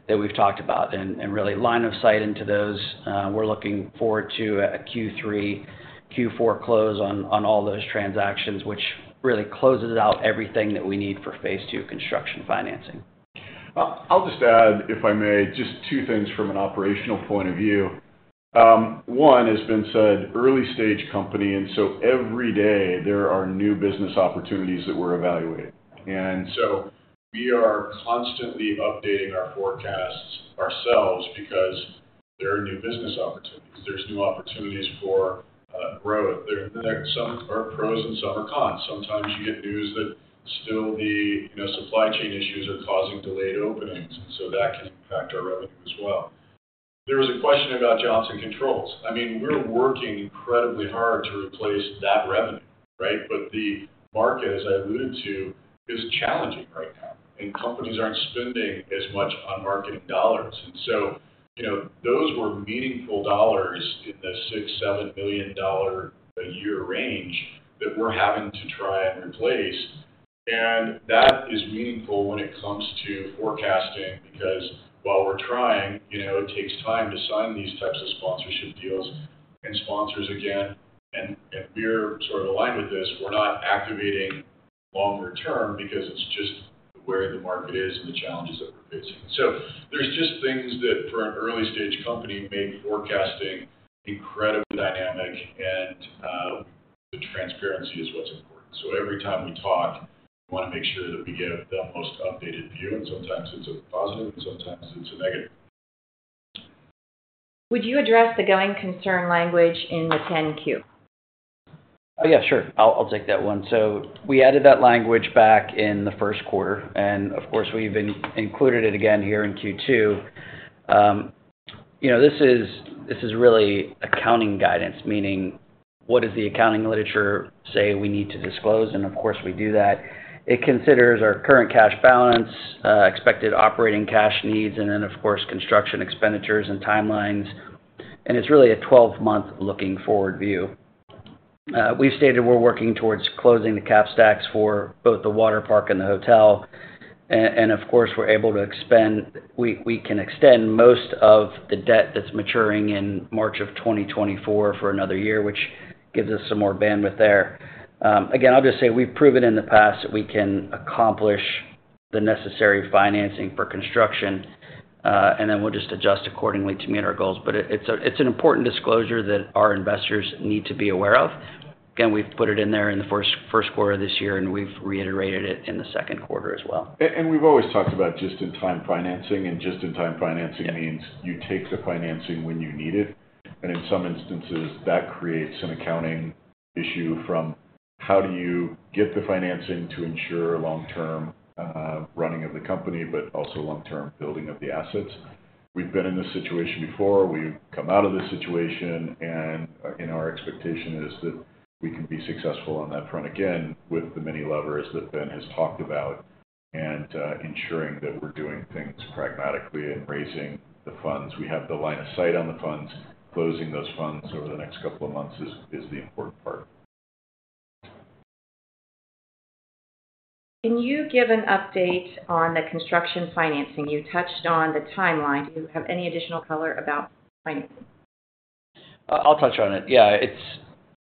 that we've talked about and, and really line of sight into those. We're looking forward to a Q3, Q4 close on, on all those transactions, which really closes out everything that we need for phase II construction financing. I'll just add, if I may, just two things from an operational point of view. one has been said, early stage company, every day there are new business opportunities that we're evaluating. We are constantly updating our forecasts ourselves because there are new business opportunities. There's new opportunities for growth. Some are pros and some are cons. Sometimes you get news that still the, you know, supply chain issues are causing delayed openings, so that can impact our revenue as well. There was a question about Johnson Controls. I mean, we're working incredibly hard to replace that revenue, right? The market, as I alluded to, is challenging right now, companies aren't spending as much on marketing dollars. So, you know, those were meaningful dollars in the $6 million-$7 million a year range that we're having to try and replace. That is meaningful when it comes to forecasting, because while we're trying, you know, it takes time to sign these types of sponsorship deals and sponsors again. We're sort of aligned with this, we're not activating longer term because it's just where the market is and the challenges that we're facing. There's just things that, for an early-stage company, make forecasting incredibly dynamic and the transparency is what's important. Every time we talk, we want to make sure that we give the most updated view, and sometimes it's a positive, and sometimes it's a negative. Would you address the going concern language in the 10-Q? Yeah, sure. I'll, I'll take that one. We added that language back in the Q1, and of course, we've included it again here in Q2. You know, this is, this is really accounting guidance, meaning what does the accounting literature say we need to disclose? Of course, we do that. It considers our current cash balance, expected operating cash needs, and then, of course, construction expenditures and timelines. It's really a 12-month looking forward view. We've stated we're working towards closing the cap stacks for both the water park and the hotel. Of course, we can extend most of the debt that's maturing in March of 2024 for another year, which gives us some more bandwidth there. Again, I'll just say we've proven in the past that we can accomplish the necessary financing for construction, and then we'll just adjust accordingly to meet our goals. It's a, it's an important disclosure that our investors need to be aware of. Again, we've put it in there in the first, Q1 of this year, and we've reiterated it in the Q2 as well. And we've always talked about just-in-time financing, and just-in-time financing means you take the financing when you need it. In some instances, that creates an accounting issue from how do you get the financing to ensure long-term running of the company, but also long-term building of the assets? We've been in this situation before. We've come out of this situation, and our expectation is that we can be successful on that front, again, with the many levers that Ben has talked about, and ensuring that we're doing things pragmatically in raising the funds. We have the line of sight on the funds. Closing those funds over the next couple of months is, is the important part. Can you give an update on the construction financing? You touched on the timeline. Do you have any additional color about financing? I'll touch on it. Yeah, it's,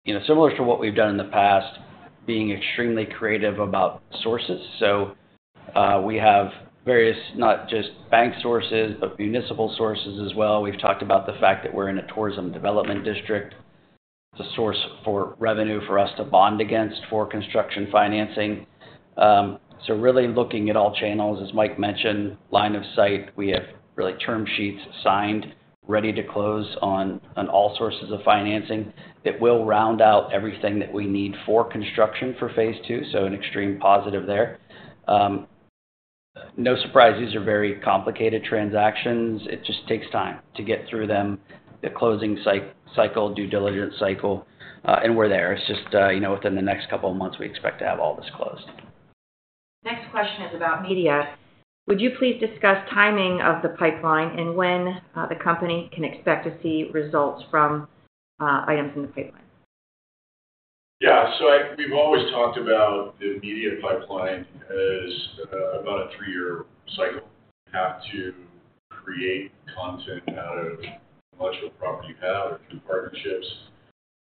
you know, similar to what we've done in the past, being extremely creative about sources. We have various, not just bank sources, but municipal sources as well. We've talked about the fact that we're in a tourism development district. It's a source for revenue for us to bond against for construction financing. Really looking at all channels, as Mike mentioned, line of sight, we have really term sheets signed, ready to close on, on all sources of financing. It will round out everything that we need for construction for phase II, so an extreme positive there. No surprise, these are very complicated transactions. It just takes time to get through them, the closing cycle, due diligence cycle, and we're there. It's just, you know, within the next couple of months, we expect to have all this closed. Next question is about media. Would you please discuss timing of the pipeline and when, the company can expect to see results from, items in the pipeline? Yeah, we've always talked about the media pipeline as about a three-year cycle. You have to create content out of intellectual property you have or through partnerships.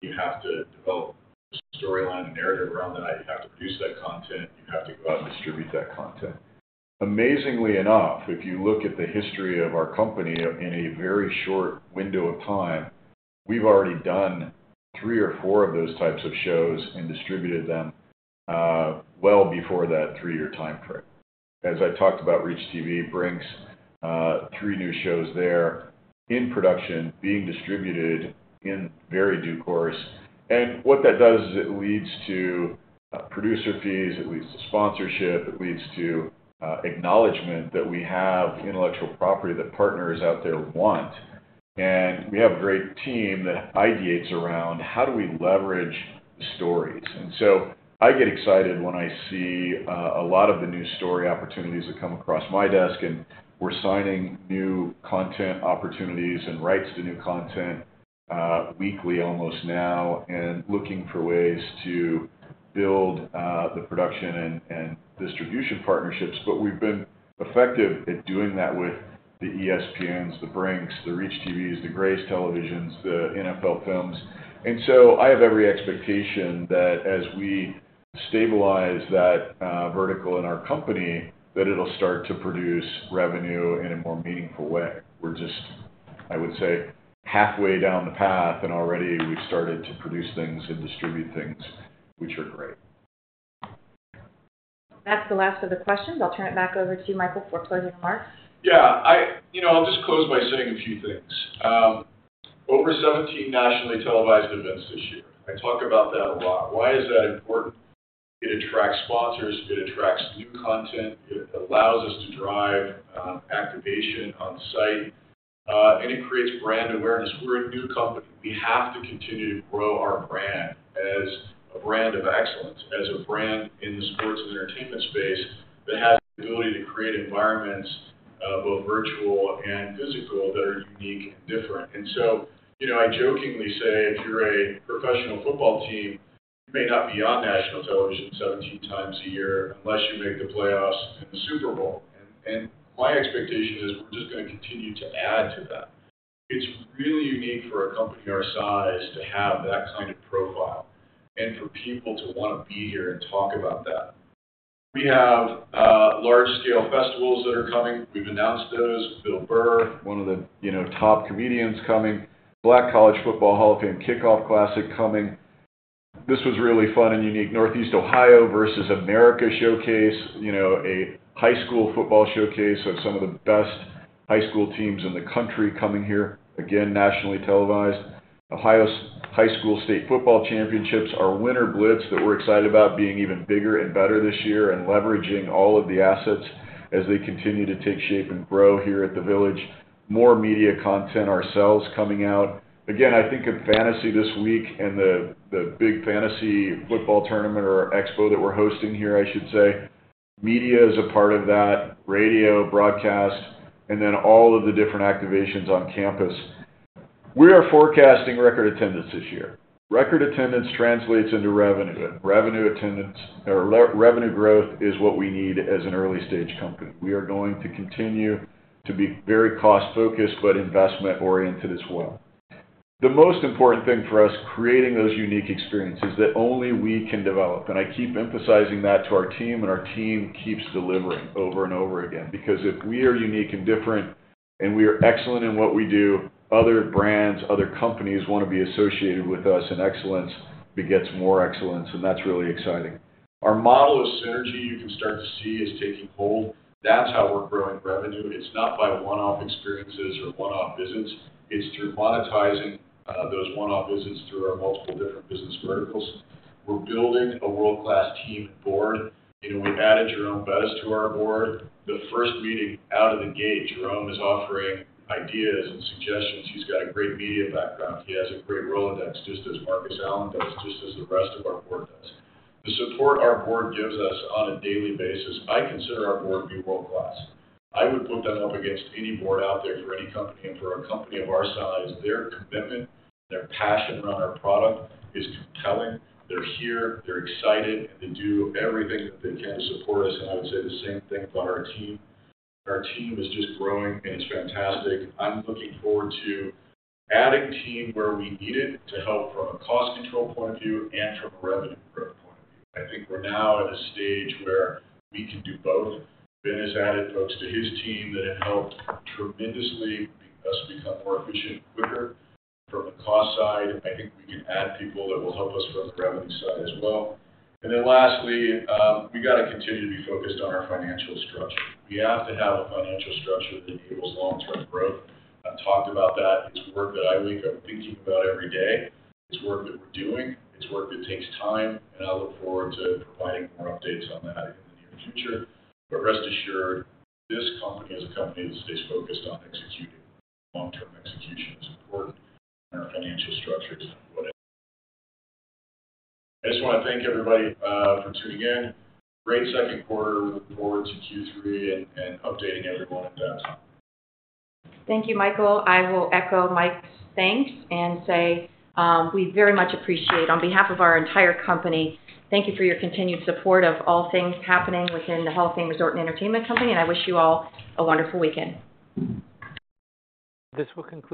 You have to develop a storyline, a narrative around that. You have to produce that content. You have to go out and distribute that content. Amazingly enough, if you look at the history of our company, in a very short window of time, we've already done three or four of those types of shows and distributed them well before that three-year time frame. As I talked about, ReachTV brings three new shows there in production, being distributed in very due course. What that does is it leads to producer fees, it leads to sponsorship, it leads to acknowledgment that we have intellectual property that partners out there want. We have a great team that ideates around how do we leverage stories. I get excited when I see a lot of the new story opportunities that come across my desk, and we're signing new content opportunities and rights to new content, weekly, almost now, and looking for ways to build the production and, and distribution partnerships. We've been effective at doing that with the ESPNs, the Brinx.TV, the ReachTVs, the Reach Television, the NFL Films. I have every expectation that as we stabilize that vertical in our company, that it'll start to produce revenue in a more meaningful way. We're just, I would say, halfway down the path, and already we've started to produce things and distribute things, which are great. That's the last of the questions. I'll turn it back over to you, Michael, for closing remarks. Yeah, I... You know, I'll just close by saying a few things. Over 17 nationally televised events this year. I talk about that a lot. Why is that important? It attracts sponsors, it attracts new content, it allows us to drive activation on site, and it creates brand awareness. We're a new company. We have to continue to grow our brand as a brand of excellence, as a brand in the sports and entertainment space that has the ability to create environments, both virtual and physical, that are unique and different. You know, I jokingly say, if you're a professional football team, you may not be on national television 17 times a year unless you make the playoffs in the Super Bowl. My expectation is we're just gonna continue to add to that. It's really unique for a company our size to have that kind of profile and for people to want to be here and talk about that. We have large-scale festivals that are coming. We've announced those. Bill Burr, one of the, you know, top comedians coming. Black College Football Hall of Fame Kickoff Classic coming. This was really fun and unique. Northeast Ohio vs. America Showcase, you know, a high school football showcase of some of the best high school teams in the country coming here, again, nationally televised. Ohio's High School State Football Championships, our Winter Blitz that we're excited about being even bigger and better this year, and leveraging all of the assets as they continue to take shape and grow here at the Village. More media content ourselves coming out. Again, I think of Fantasy this week and the big fantasy football tournament or expo that we're hosting here, I should say. Media is a part of that, radio, broadcast, and then all of the different activations on campus. We are forecasting record attendance this year. Record attendance translates into revenue. Revenue attendance or re-revenue growth is what we need as an early-stage company. We are going to continue to be very cost-focused, but investment-oriented as well. The most important thing for us, creating those unique experiences that only we can develop, and I keep emphasizing that to our team, and our team keeps delivering over and over again. If we are unique and different, and we are excellent in what we do, other brands, other companies want to be associated with us, and excellence begets more excellence, and that's really exciting. Our model of synergy, you can start to see, is taking hold. That's how we're growing revenue. It's not by one-off experiences or one-off visits. It's through monetizing those one-off visits through our multiple different business verticals. We're building a world-class team and board. You know, we added Jerome Bettis to our board. The first meeting out of the gate, Jerome is offering ideas and suggestions. He's got a great media background. He has a great Rolodex, just as Marcus Allen does, just as the rest of our board does. The support our board gives us on a daily basis, I consider our board to be world-class. I would put them up against any board out there for any company, and for a company of our size, their commitment, their passion around our product is compelling. They're here, they're excited, and they do everything that they can to support us, and I would say the same thing about our team. Our team is just growing, and it's fantastic. I'm looking forward to adding team where we need it to help from a cost control point of view and from a revenue growth point of view. I think we're now at a stage where we can do both. Ben has added folks to his team that have helped tremendously, help us become more efficient quicker. From a cost side, I think we can add people that will help us from the revenue side as well. Then lastly, we got to continue to be focused on our financial structure. We have to have a financial structure that enables long-term growth. I've talked about that. It's work that I wake up thinking about every day. It's work that we're doing. It's work that takes time. I look forward to providing more updates on that in the near future. Rest assured, this company is a company that stays focused on executing. Long-term execution is important. Our financial structure is what... I just want to thank everybody for tuning in. Great Q2. Looking forward to Q3 and updating everyone at that time. Thank you, Michael. I will echo Mike's thanks and say, we very much appreciate. On behalf of our entire company, thank you for your continued support of all things happening within the Hall of Fame Resort and Entertainment Company. I wish you all a wonderful weekend. This will conclude-